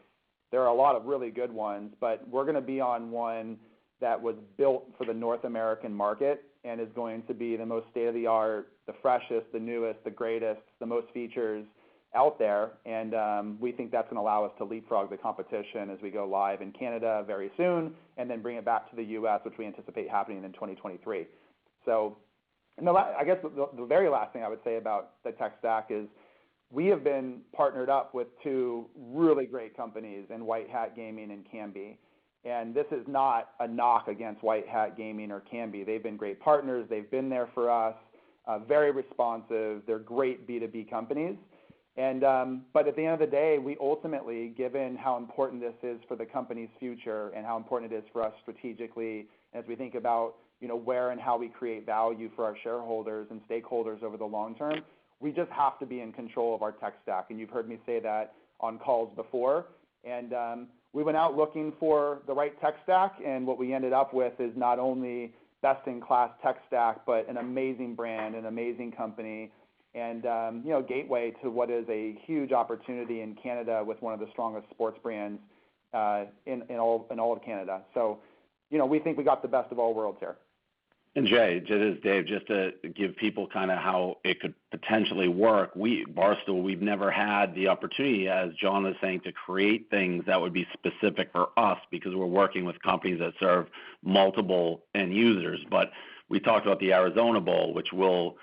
[SPEAKER 3] there are a lot of really good ones, but we're going to be on one that was built for the North American market and is going to be the most state-of-the-art, the freshest, the newest, the greatest, the most features out there. We think that's going to allow us to leapfrog the competition as we go live in Canada very soon and then bring it back to the U.S., which we anticipate happening in 2023. I guess the very last thing I would say about the tech stack is we have been partnered up with two really great companies in White Hat Gaming and Kambi. This is not a knock against White Hat Gaming or Kambi. They've been great partners. They've been there for us, very responsive. They're great B2B companies. At the end of the day, we ultimately, given how important this is for the company's future and how important it's for us strategically as we think about where and how we create value for our shareholders and stakeholders over the long term, we just have to be in control of our tech stack. You've heard me say that on calls before. We went out looking for the right tech stack, and what we ended up with is not only best-in-class tech stack, but an amazing brand, an amazing company, and gateway to what is a huge opportunity in Canada with one of the strongest sports brands in all of Canada. We think we got the best of all worlds here.
[SPEAKER 5] Jay, it is Dave, just to give people kind of how it could potentially work. Barstool, we've never had the opportunity, as John is saying, to create things that would be specific for us because we're working with companies that serve multiple end users. We talked about the Arizona Bowl, which we'll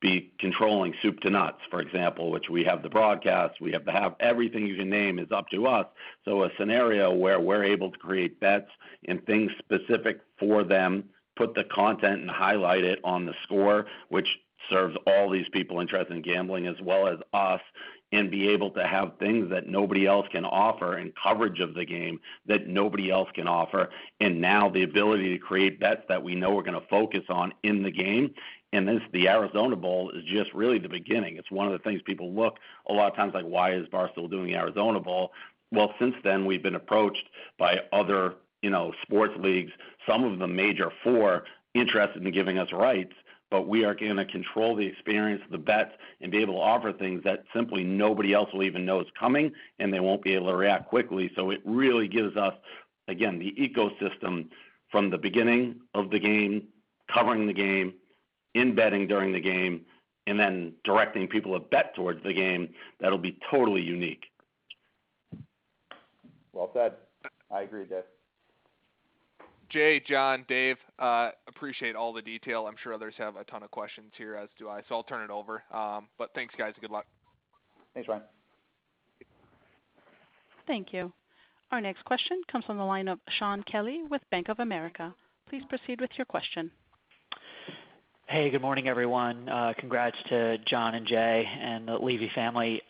[SPEAKER 5] be controlling soup to nuts, for example, which we have the broadcast, we have to have everything you can name is up to us. A scenario where we're able to create bets and things specific for them, put the content, and highlight it on theScore, which serves all these people interested in gambling as well as us, and be able to have things that nobody else can offer and coverage of the game that nobody else can offer. Now the ability to create bets that we know we're going to focus on in the game, this, the Arizona Bowl, is just really the beginning. It's one of the things people look a lot of times, like, "Why is Barstool doing the Arizona Bowl?" Well, since then, we've been approached by other sports leagues, some of the major four, interested in giving us rights, but we are going to control the experience, the bets and be able to offer things that simply nobody else will even know is coming, and they won't be able to react quickly. It really gives us, again, the ecosystem from the beginning of the game, covering the game, in betting during the game, and then directing people a bet towards the game that'll be totally unique.
[SPEAKER 3] Well said. I agree, Dave.
[SPEAKER 9] Jay, John, Dave, appreciate all the detail. I'm sure others have a ton of questions here, as do I, so I'll turn it over. Thanks, guys. Good luck.
[SPEAKER 3] Thanks, Ryan.
[SPEAKER 1] Thank you. Our next question comes from the line of Shaun Kelley with Bank of America. Please proceed with your question.
[SPEAKER 10] Hey, good morning, everyone. Congrats to John and Jay and the Levy family.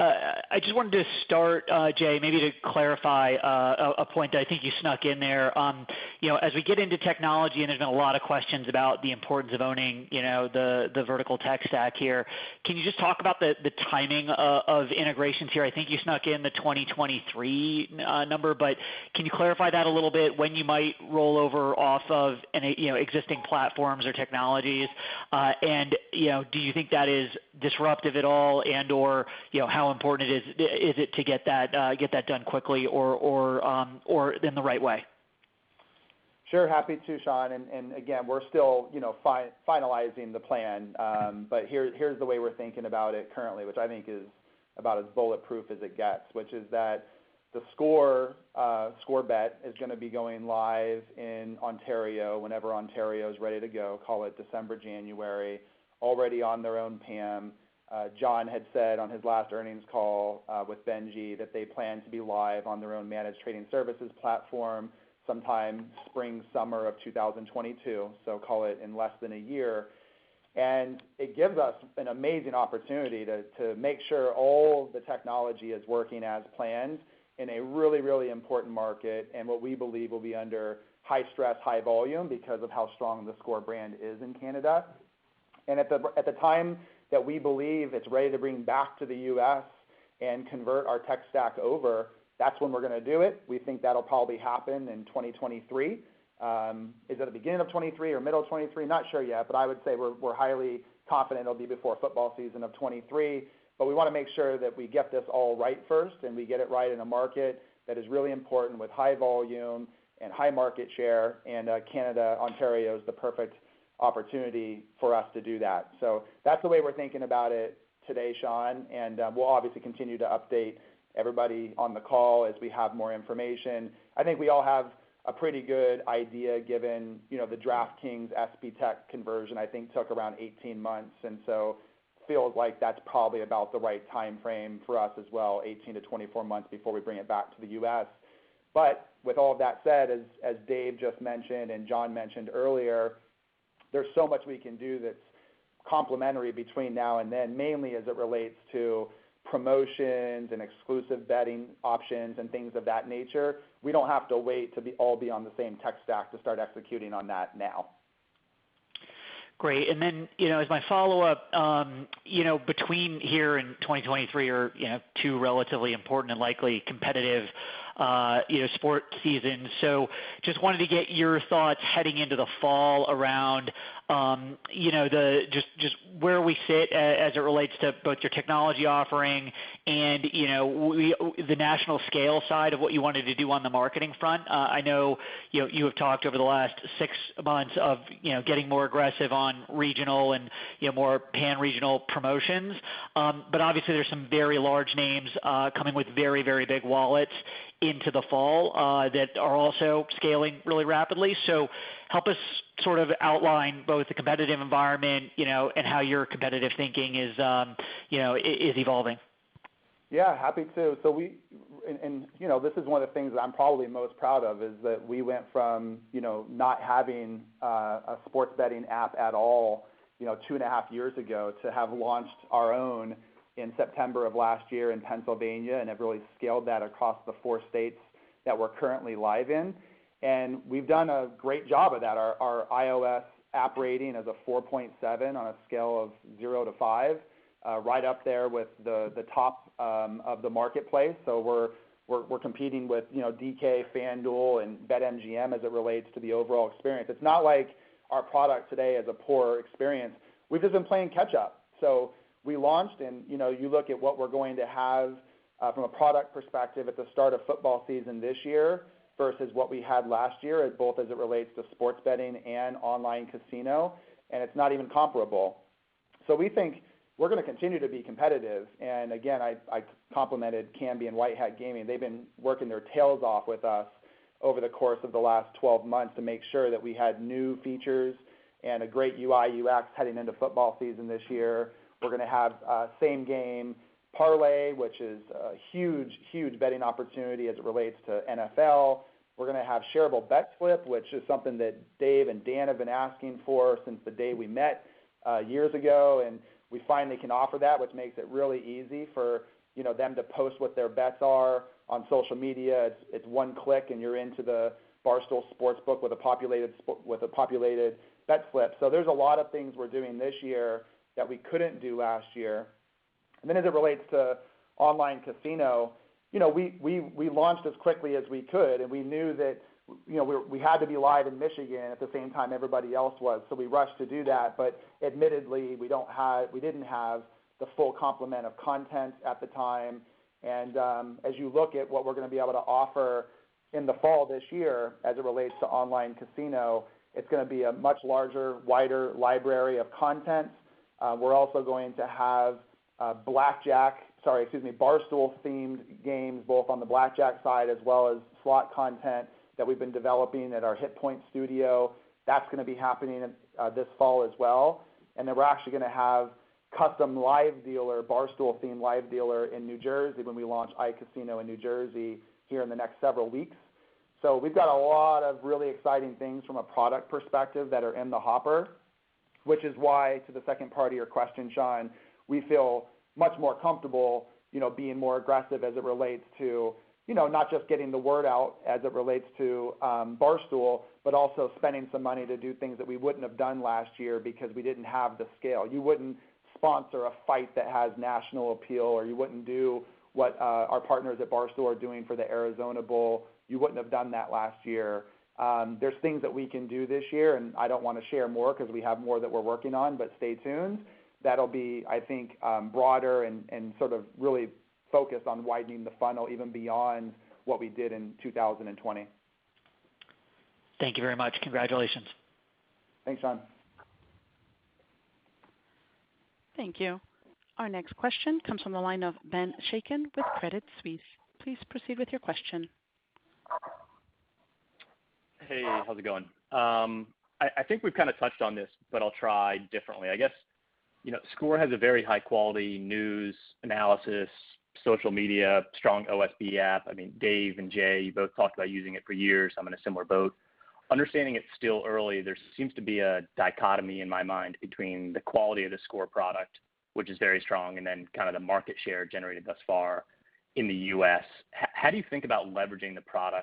[SPEAKER 10] I just wanted to start, Jay, maybe to clarify a point that I think you snuck in there. As we get into technology, and there's been a lot of questions about the importance of owning the vertical tech stack here, can you just talk about the timing of integrations here? I think you snuck in the 2023 number, but can you clarify that a little bit, when you might roll over off of existing platforms or technologies? Do you think that is disruptive at all and/or how important is it to get that done quickly or in the right way?
[SPEAKER 3] Happy to, Shaun. Again, we're still finalizing the plan. Here's the way we're thinking about it currently, which I think is about as bulletproof as it gets. That theScore Bet is going to be going live in Ontario whenever Ontario's ready to go; call it December, January. Already on their own PAM. John had said on his last earnings call, with Benji, that they plan to be live on their own managed trading services platform sometime spring, summer of 2022, so call it in less than a year. It gives us an amazing opportunity to make sure all the technology is working as planned in a really, really important market, and what we believe will be under high stress, high volume because of how strong theScore brand is in Canada. At the time that we believe it's ready to bring back to the U.S. and convert our tech stack over, that's when we're going to do it. We think that'll probably happen in 2023. Is it the beginning of 2023 or middle of 2023? Not sure yet, but I would say we're highly confident it'll be before football season of 2023. We want to make sure that we get this all right first and we get it right in a market that is really important with high volume and high market share, and Canada, Ontario, is the perfect opportunity for us to do that. That's the way we're thinking about it today, Shaun, and we'll obviously continue to update everybody on the call as we have more information. I think we all have a pretty good idea given the DraftKings SBTech conversion, I think, took around 18 months; it feels like that's probably about the right timeframe for us as well, 18-24 months before we bring it back to the U.S. With all of that said, as Dave just mentioned and John mentioned earlier, there's so much we can do that's complementary between now and then, mainly as it relates to promotions and exclusive betting options and things of that nature. We don't have to wait to all be on the same tech stack to start executing on that now.
[SPEAKER 10] Great. As my follow-up, between here and 2023 are two relatively important and likely competitive sport seasons. Just wanted to get your thoughts heading into the fall around just where we sit as it relates to both your technology offering and the national scale side of what you wanted to do on the marketing front. I know you have talked over the last six months of getting more aggressive on regional and more pan-regional promotions. Obviously there's some very large names coming with very, very big wallets into the fall that are also scaling really rapidly. Help us sort of outline both the competitive environment and how your competitive thinking is evolving.
[SPEAKER 3] Yeah, happy to. This is one of the things that I'm probably most proud of, is that we went from not having a sports betting app at all two and a half years ago to have launched our own in September of last year in Pennsylvania and have really scaled that across the four states that we're currently live in. We've done a great job of that. Our iOS app rating is a 4.7 on a scale of 0-5. Right up there with the top of the marketplace. We're competing with DK, FanDuel, and BetMGM as it relates to the overall experience. It's not like our product today is a poor experience. We've just been playing catch-up. We launched, and you look at what we're going to have from a product perspective at the start of football season this year versus what we had last year, both as it relates to sports betting and iCasino, and it's not even comparable. We think we're going to continue to be competitive, and again, I complimented Kambi and White Hat Gaming. They've been working their tails off with us over the course of the last 12 months to make sure that we had new features and a great UI/UX heading into football season this year. We're going to have Same Game Parlay, which is a huge betting opportunity as it relates to NFL. We're going to have Shareable Bet Slip, which is something that Dave and Dan have been asking for since the day we met years ago, and we finally can offer that, which makes it really easy for them to post what their bets are on social media. It's one click, and you're into the Barstool Sportsbook with a populated bet slip. There's a lot of things we're doing this year that we couldn't do last year. Then, as it relates to online casinos, we launched as quickly as we could, and we knew that we had to be live in Michigan at the same time everybody else was, so we rushed to do that. Admittedly, we didn't have the full complement of content at the time. As you look at what we're going to be able to offer in the fall this year as it relates to iCasino, it's going to be a much larger, wider library of content. We're also going to have blackjack Barstool-themed games both on the blackjack side as well as slot content that we've been developing at our HitPoint Studios. That's going to be happening this fall as well. We're actually going to have custom live dealer, Barstool-themed live dealer in New Jersey when we launch iCasino in New Jersey here in the next several weeks. We've got a lot of really exciting things from a product perspective that are in the hopper, which is why, to the second part of your question, Shaun, we feel much more comfortable being more aggressive as it relates to not just getting the word out as it relates to Barstool but also spending some money to do things that we wouldn't have done last year because we didn't have the scale. You wouldn't sponsor a fight that has national appeal, or you wouldn't do what our partners at Barstool are doing for the Arizona Bowl. You wouldn't have done that last year. There's things that we can do this year, and I don't want to share more because we have more that we're working on, but stay tuned. That'll be, I think, broader and sort of really focused on widening the funnel even beyond what we did in 2020.
[SPEAKER 10] Thank you very much. Congratulations.
[SPEAKER 3] Thanks, Shaun.
[SPEAKER 1] Thank you. Our next question comes from the line of Ben Chaiken with Credit Suisse. Please proceed with your question.
[SPEAKER 11] Hey, how's it going? I think we've kind of touched on this, but I'll try differently. I guess theScore has very high-quality news analysis, social media, strong OSB app. Dave and Jay, you both talked about using it for years. I'm in a similar boat. Understanding it's still early, there seems to be a dichotomy in my mind between the quality of theScore product, which is very strong, and then the kind of market share generated thus far in the U.S. How do you think about leveraging the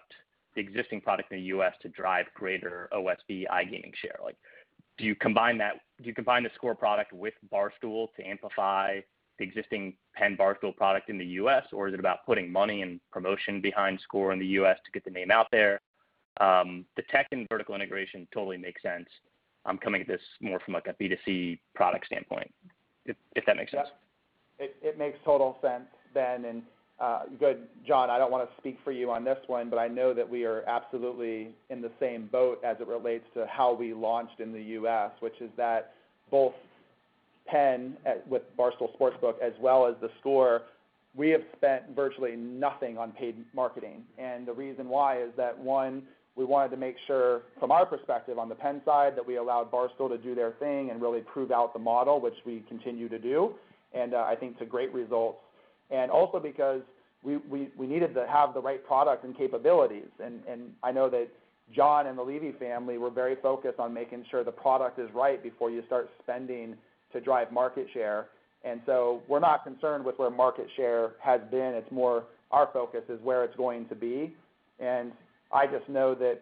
[SPEAKER 11] existing product in the U.S. to drive greater OSB iGaming share? Do you combine theScore product with Barstool to amplify the existing PENN Barstool product in the U.S., or is it about putting money and promotion behind theScore in the U.S. to get the name out there? The tech and vertical integration totally makes sense. I'm coming at this more from a B2C product standpoint, if that makes sense.
[SPEAKER 3] It makes total sense, Ben. John, I don't want to speak for you on this one, but I know that we are absolutely in the same boat as it relates to how we launched in the U.S., which is that both PENN with Barstool Sportsbook as well as theScore, we have spent virtually nothing on paid marketing. The reason why is that, one, we wanted to make sure from our perspective on the PENN side that we allowed Barstool to do their thing and really prove out the model, which we continue to do. I think to great results. Also because we needed to have the right product and capabilities. I know that John and the Levy family were very focused on making sure the product is right before you start spending to drive market share. We're not concerned with where market share has been. It's more our focus is where it's going to be. I just know that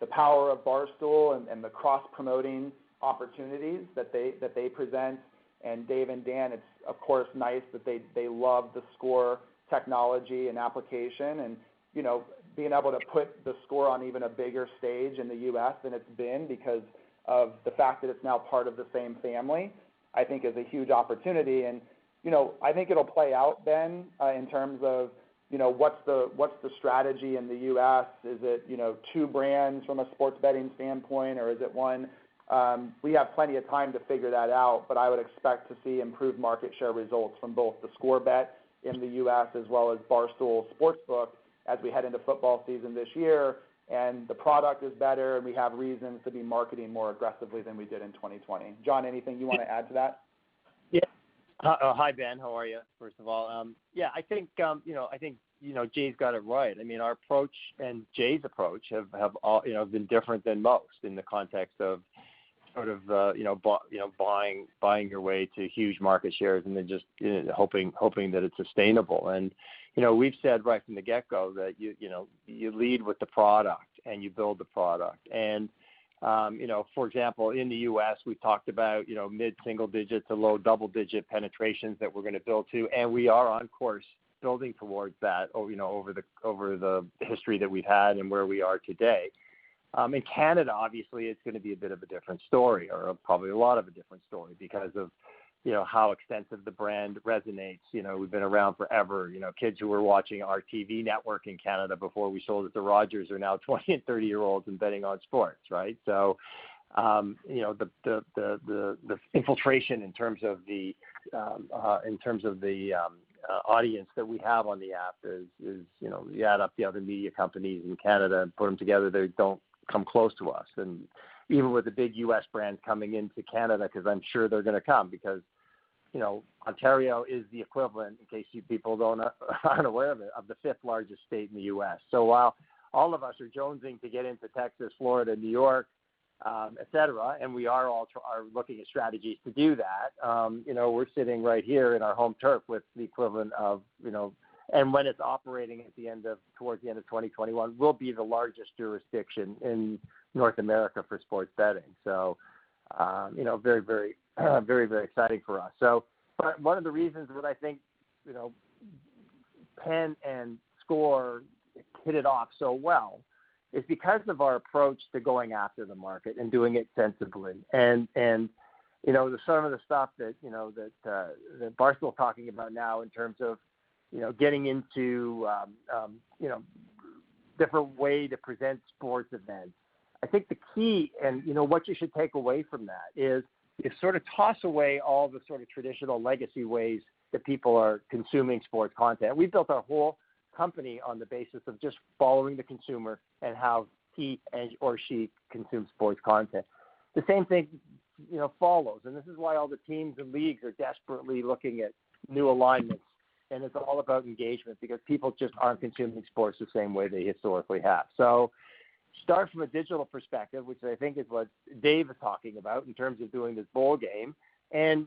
[SPEAKER 3] the power of Barstool and the cross-promoting opportunities that they present, and Dave and Dan, it's of course nice that they love theScore technology and application. Being able to put theScore on even a bigger stage in the U.S. than it's been because of the fact that it's now part of the same family, I think, is a huge opportunity. I think it'll play out, Ben, in terms of what's the strategy in the U.S. Is it two brands from a sports betting standpoint or is it one? We have plenty of time to figure that out, but I would expect to see improved market share results from both theScore Bet in the U.S. as well as Barstool Sportsbook as we head into football season this year. The product is better, and we have reasons to be marketing more aggressively than we did in 2020. John, anything you want to add to that?
[SPEAKER 4] Hi, Ben. How are you, first of all? I think Jay's got it right. Our approach and Jay's approach have been different than most in the context of buying your way to huge market shares and then just hoping that it's sustainable. We've said right from the get-go that you lead with the product and you build the product. For example, in the U.S., we've talked about mid-single-digit to low double-digit penetrations that we're going to build to, and we are on course building towards that over the history that we've had and where we are today. In Canada, obviously, it's going to be a bit of a different story, or probably a lot of a different story because of how extensive the brand resonates. We've been around forever. Kids who were watching our TV network in Canada before we sold it to Rogers are now 20 and 30-year-olds and betting on sports, right? The infiltration in terms of the audience that we have on the app is, you add up the other media companies in Canada and put them together, they don't come close to us. Even with the big U.S. brands coming into Canada, because I'm sure they're going to come because, Ontario is the equivalent, in case you people aren't aware of it, of the fifth largest state in the U.S. While all of us are jonesing to get into Texas, Florida, New York, et cetera, and we are looking at strategies to do that, we're sitting right here in our home turf with the equivalent of when it's operating towards the end of 2021, we'll be the largest jurisdiction in North America for sports betting. Very exciting for us. One of the reasons that I think, PENN and theScore hit it off so well is because of our approach to going after the market and doing it sensibly. Some of the stuff that Barstool's talking about now in terms of getting into different way to present sports events. I think the key, and what you should take away from that is, sort of toss away all the sort of traditional legacy ways that people are consuming sports content. We've built our whole company on the basis of just following the consumer and how he or she consumes sports content. The same thing follows, and this is why all the teams and leagues are desperately looking at new alignments, and it's all about engagement because people just aren't consuming sports the same way they historically have. Start from a digital perspective, which I think is what Dave Portnoy is talking about in terms of doing this bowl game, and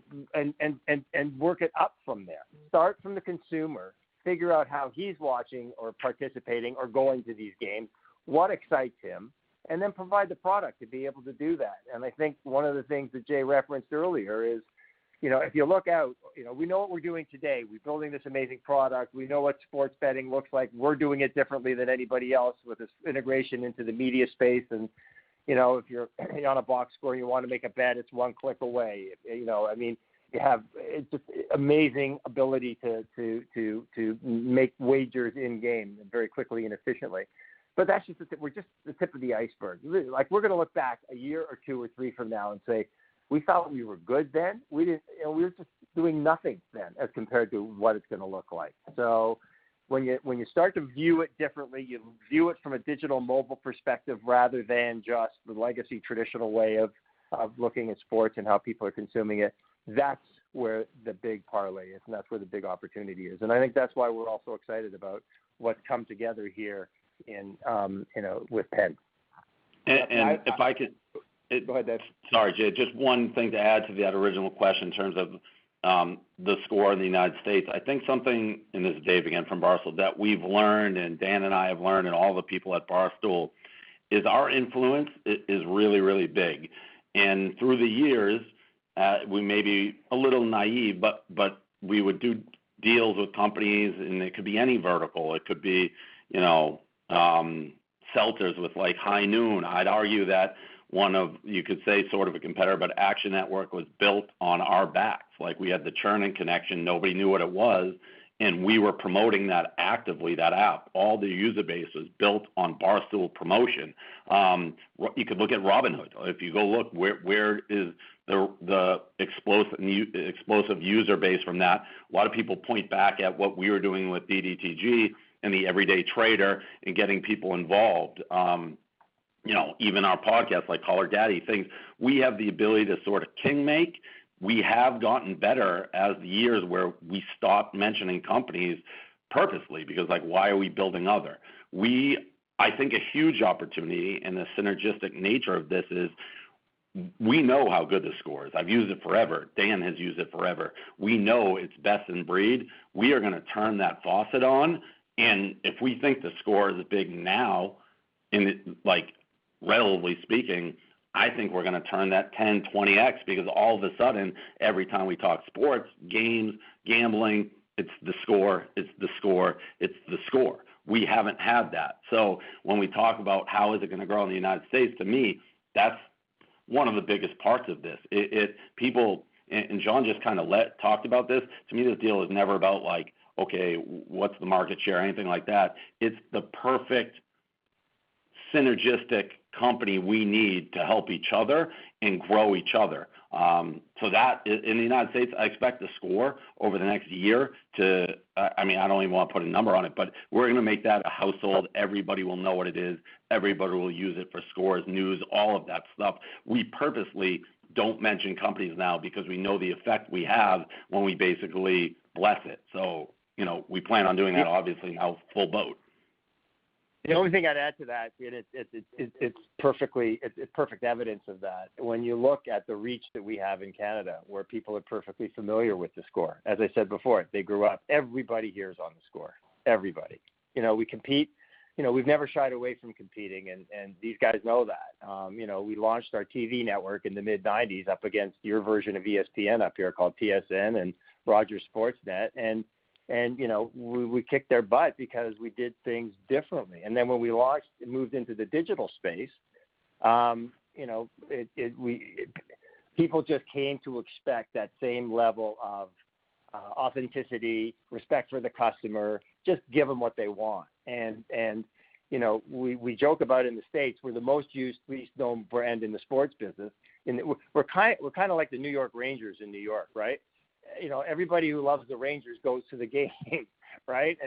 [SPEAKER 4] work it up from there. Start from the consumer, figure out how he's watching or participating or going to these games, what excites him, and then provide the product to be able to do that. I think one of the things that Jay referenced earlier is, if you look out, we know what we're doing today. We're building this amazing product. We know what sports betting looks like. We're doing it differently than anybody else with this integration into the media space, and if you're on a box score, you want to make a bet, it's one click away. I mean, you have just amazing ability to make wagers in-game very quickly and efficiently. That's just the tip of the iceberg, really. We're going to look back a year or two or three from now and say, "We thought we were good then?" We were just doing nothing then, as compared to what it's going to look like. When you start to view it differently, you view it from a digital mobile perspective rather than just the legacy traditional way of looking at sports and how people are consuming it. That's where the big parlay is and that's where the big opportunity is. I think that's why we're all so excited about what's come together here in, with PENN.
[SPEAKER 5] And if I could-
[SPEAKER 4] Go ahead, Dave.
[SPEAKER 5] Sorry, Jay. Just one thing to add to that original question in terms of theScore in the United States. I think something, and this is Dave again from Barstool, that we've learned, and Dan and I have learned, and all the people at Barstool, is our influence is really, really big. Through the years, we may be a little naive, but we would do deals with companies, and it could be any vertical. It could be seltzers with like High Noon. I'd argue that one of you could say sort of a competitor, but Action Network was built on our backs. We had the Chernin connection; nobody knew what it was, and we were promoting that actively, that app. All the user base was built on Barstool promotion. You could look at Robinhood. If you go look, where is the explosive user base from that? A lot of people point back at what we were doing with DDTG and the Everyday Trader and getting people involved. Even our podcast, like Call Her Daddy, things. We have the ability to sort of kingmake. We have gotten better as the years where we stopped mentioning companies purposely because, like, why are we building others? I think a huge opportunity and the synergistic nature of this is we know how good theScore is. I've used it forever. Dan has used it forever. We know it's best in breed. We are going to turn that faucet on, and if we think theScore is big now, relatively speaking, I think we're going to turn that 10x, 20x because all of a sudden, every time we talk sports, games, gambling, it's theScore. We haven't had that. When we talk about how is it going to grow in the United States, to me, that's one of the biggest parts of this. John just kind of talked about this. To me, this deal is never about, like, okay, what's the market share or anything like that? It's the perfect synergistic company we need to help each other and grow each other. That, in the United States, I expect theScore over the next year to—I don't even want to put a number on it, but we're going to make that a household. Everybody will know what it is. Everybody will use it for scores, news, all of that stuff. We purposely don't mention companies now because we know the effect we have when we basically bless it. We plan on doing that, obviously, how? Full boat.
[SPEAKER 4] The only thing I'd add to that, it's perfect evidence of that. When you look at the reach that we have in Canada, where people are perfectly familiar with theScore. As I said before, they grew up; everybody here is on theScore. Everybody. We've never shied away from competing, and these guys know that. We launched our TV network in the mid-'90s up against your version of ESPN up here called TSN and Rogers Sportsnet. We kicked their butt because we did things differently. Then when we moved into the digital space, people just came to expect that same level of authenticity, respect for the customer—just give them what they want. We joke about it in the States; we're the most used, least known brand in the sports business, and we're kind of like the New York Rangers in New York, right? Everybody who loves the Rangers goes to the game, right?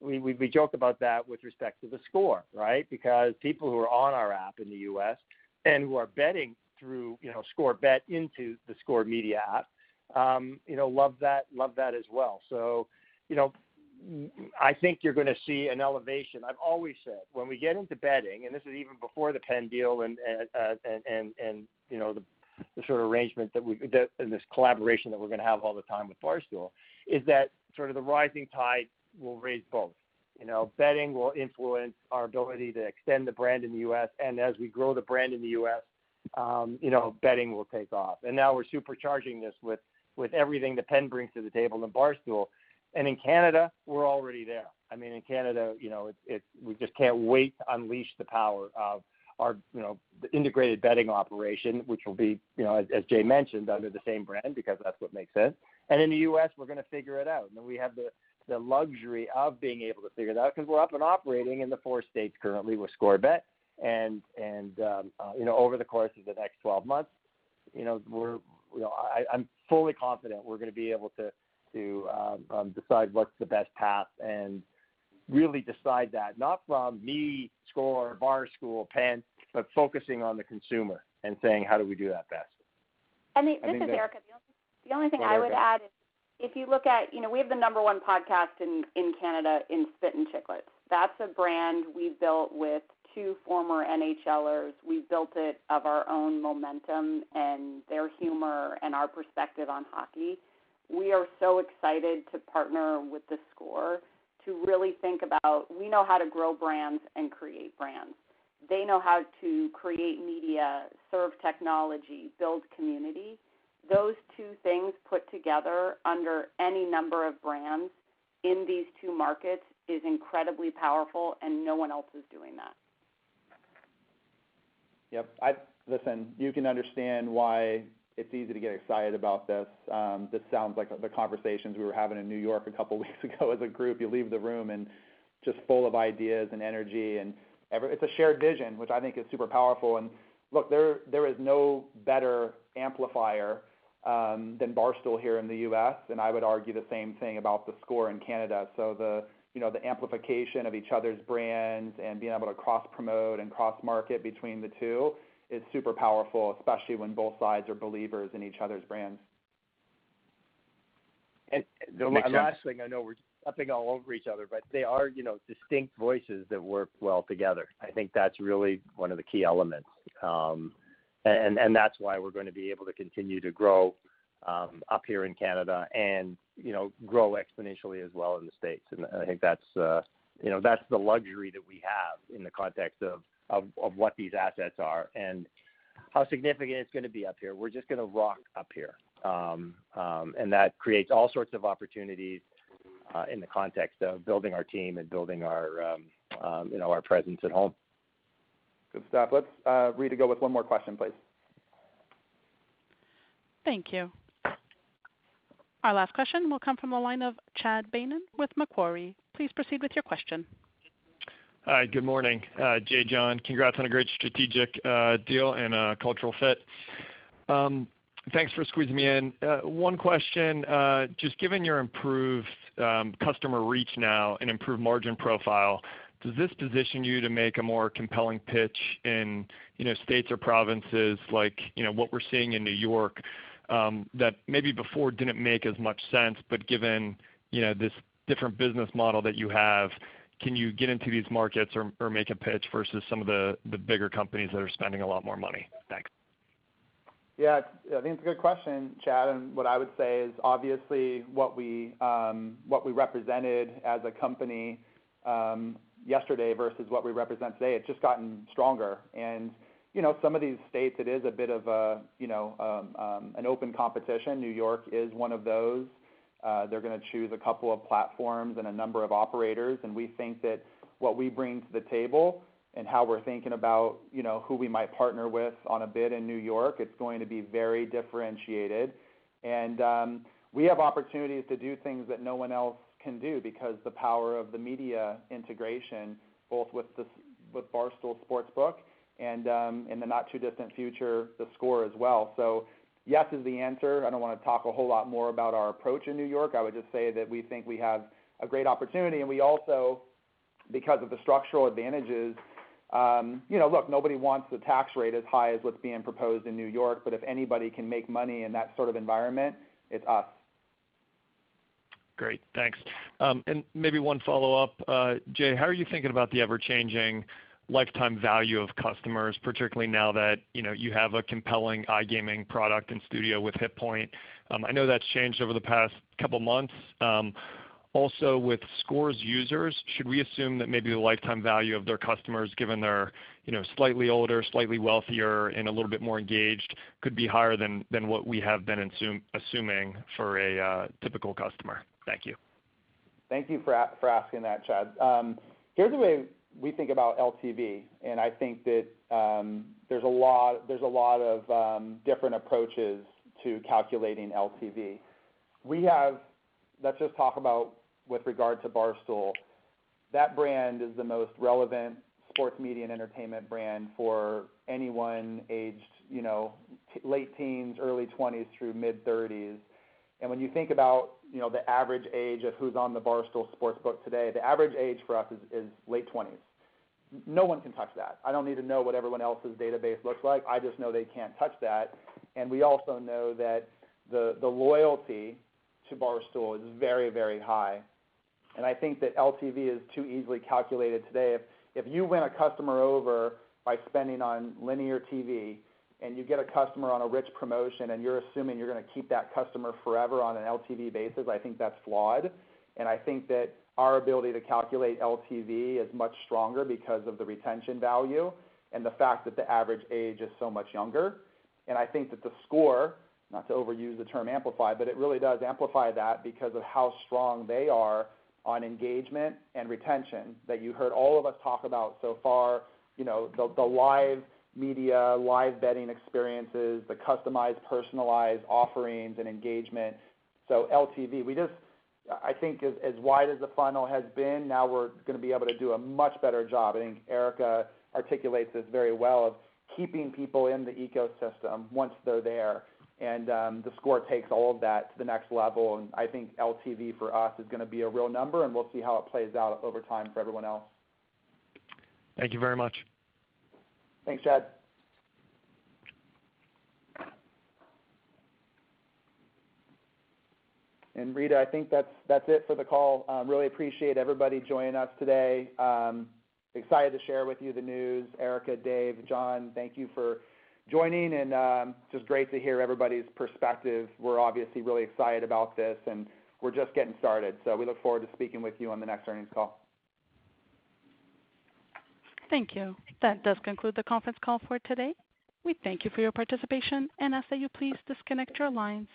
[SPEAKER 4] We joke about that with respect to theScore, right? Because people who are on our app in the U.S. and who are betting through theScore Bet into theScore media app love that as well. I think you're going to see an elevation. I've always said, when we get into betting, and this is even before the PENN deal and the sort of arrangement and this collaboration that we're going to have all the time with Barstool, is that sort of the rising tide will raise both. Betting will influence our ability to extend the brand in the U.S., and as we grow the brand in the U.S., betting will take off. Now we're supercharging this with everything that PENN brings to the table and Barstool. In Canada, we're already there. In Canada, we just can't wait to unleash the power of our integrated betting operation, which will be, as Jay mentioned, under the same brand, because that's what makes sense. In the U.S., we're going to figure it out, then we have the luxury of being able to figure it out because we're up and operating in the four states currently with theScore Bet. Over the course of the next 12 months, I'm fully confident we're going to be able to decide what's the best path and really decide that, not from me, theScore, Barstool, PENN, but focusing on the consumer and saying, "How do we do that best?
[SPEAKER 6] This is Erika.
[SPEAKER 4] Go ahead, Erika.
[SPEAKER 6] The only thing I would add is if you look at, we have the number one podcast in Canada in Spittin' Chiclets. That's a brand we've built with two former NHLers. We've built it of our own momentum and their humor and our perspective on hockey. We are so excited to partner with theScore to really think about, we know how to grow brands and create brands. They know how to create media, serve technology, build community. Those two things put together under any number of brands in these two markets is incredibly powerful, and no one else is doing that.
[SPEAKER 3] Listen, you can understand why it's easy to get excited about this. This sounds like the conversations we were having in New York a couple weeks ago as a group. You leave the room and just full of ideas and energy, and it's a shared vision, which I think is super powerful. Look, there is no better amplifier than Barstool here in the U.S., and I would argue the same thing about theScore in Canada. The amplification of each other's brands and being able to cross-promote and cross-market between the two is super powerful, especially when both sides are believers in each other's brands.
[SPEAKER 4] The last thing, I know we're jumping all over each other, but they are distinct voices that work well together. I think that's really one of the key elements. That's why we're going to be able to continue to grow up here in Canada and grow exponentially as well in the States. I think that's the luxury that we have in the context of what these assets are and how significant it's going to be up here. We're just going to rock up here. That creates all sorts of opportunities in the context of building our team and building our presence at home.
[SPEAKER 3] Good stuff. Let's, Rita, go with one more question, please.
[SPEAKER 1] Thank you. Our last question will come from the line of Chad Beynon with Macquarie. Please proceed with your question.
[SPEAKER 12] Hi, good morning. Jay, John, congrats on a great strategic deal and a cultural fit. Thanks for squeezing me in. One question. Just given your improved customer reach now and improved margin profile, does this position you to make a more compelling pitch in states or provinces like what we're seeing in New York, that maybe before didn't make as much sense, but given this different business model that you have, can you get into these markets or make a pitch versus some of the bigger companies that are spending a lot more money? Thanks.
[SPEAKER 3] I think it's a good question, Chad Beynon. What I would say is obviously what we represented as a company yesterday versus what we represent today, it's just gotten stronger. Some of these states, it is a bit of an open competition. N.Y. is one of those. They're going to choose a couple of platforms and a number of operators. We think that what we bring to the table and how we're thinking about who we might partner with on a bid in N.Y., it's going to be very differentiated. We have opportunities to do things that no one else can do because of the power of the media integration, both with Barstool Sportsbook and, in the not-too-distant future, theScore as well. Yes is the answer. I don't want to talk a whole lot more about our approach in N.Y. I would just say that we think we have a great opportunity, and we also, because of the structural advantages. Look, nobody wants the tax rate as high as what's being proposed in New York, but if anybody can make money in that sort of environment, it's us.
[SPEAKER 12] Great. Thanks. Maybe one follow-up. Jay, how are you thinking about the ever-changing lifetime value of customers, particularly now that you have a compelling iGaming product and studio with HitPoint Studios? I know that's changed over the past couple months. With Scores users, should we assume that maybe the lifetime value of their customers, given they're slightly older, slightly wealthier, and a little bit more engaged, could be higher than what we have been assuming for a typical customer? Thank you.
[SPEAKER 3] Thank you for asking that, Chad. Here's the way we think about LTV. I think that there's a lot of different approaches to calculating LTV. Let's just talk about with regard to Barstool. That brand is the most relevant sports media and entertainment brand for anyone aged late teens, early 20s through mid-30s. When you think about the average age of who's on the Barstool Sportsbook today, the average age for us is late 20s. No one can touch that. I don't need to know what everyone else's database looks like; I just know they can't touch that. We also know that the loyalty to Barstool is very, very high. I think that LTV is too easily calculated today. If you win a customer over by spending on linear TV, and you get a customer on a rich promotion, and you're assuming you're going to keep that customer forever on an LTV basis, I think that's flawed. I think that our ability to calculate LTV is much stronger because of the retention value and the fact that the average age is so much younger. I think that theScore, not to overuse the term "amplify," but it really does amplify that because of how strong they are on engagement and retention that you heard all of us talk about so far: the live media, live betting experiences, the customized, personalized offerings and engagement. LTV, I think as wide as the funnel has been, now we're going to be able to do a much better job, I think Erika articulates this very well, of keeping people in the ecosystem once they're there. TheScore takes all of that to the next level. I think LTV for us is going to be a real number. We'll see how it plays out over time for everyone else.
[SPEAKER 12] Thank you very much.
[SPEAKER 3] Thanks, Chad. Rita, I think that's it for the call. Really appreciate everybody joining us today. Excited to share with you the news. Erika, Dave, John, thank you for joining, just great to hear everybody's perspective. We're obviously really excited about this, and we're just getting started. We look forward to speaking with you on the next earnings call.
[SPEAKER 1] Thank you. That does conclude the conference call for today. We thank you for your participation and ask that you please disconnect your lines.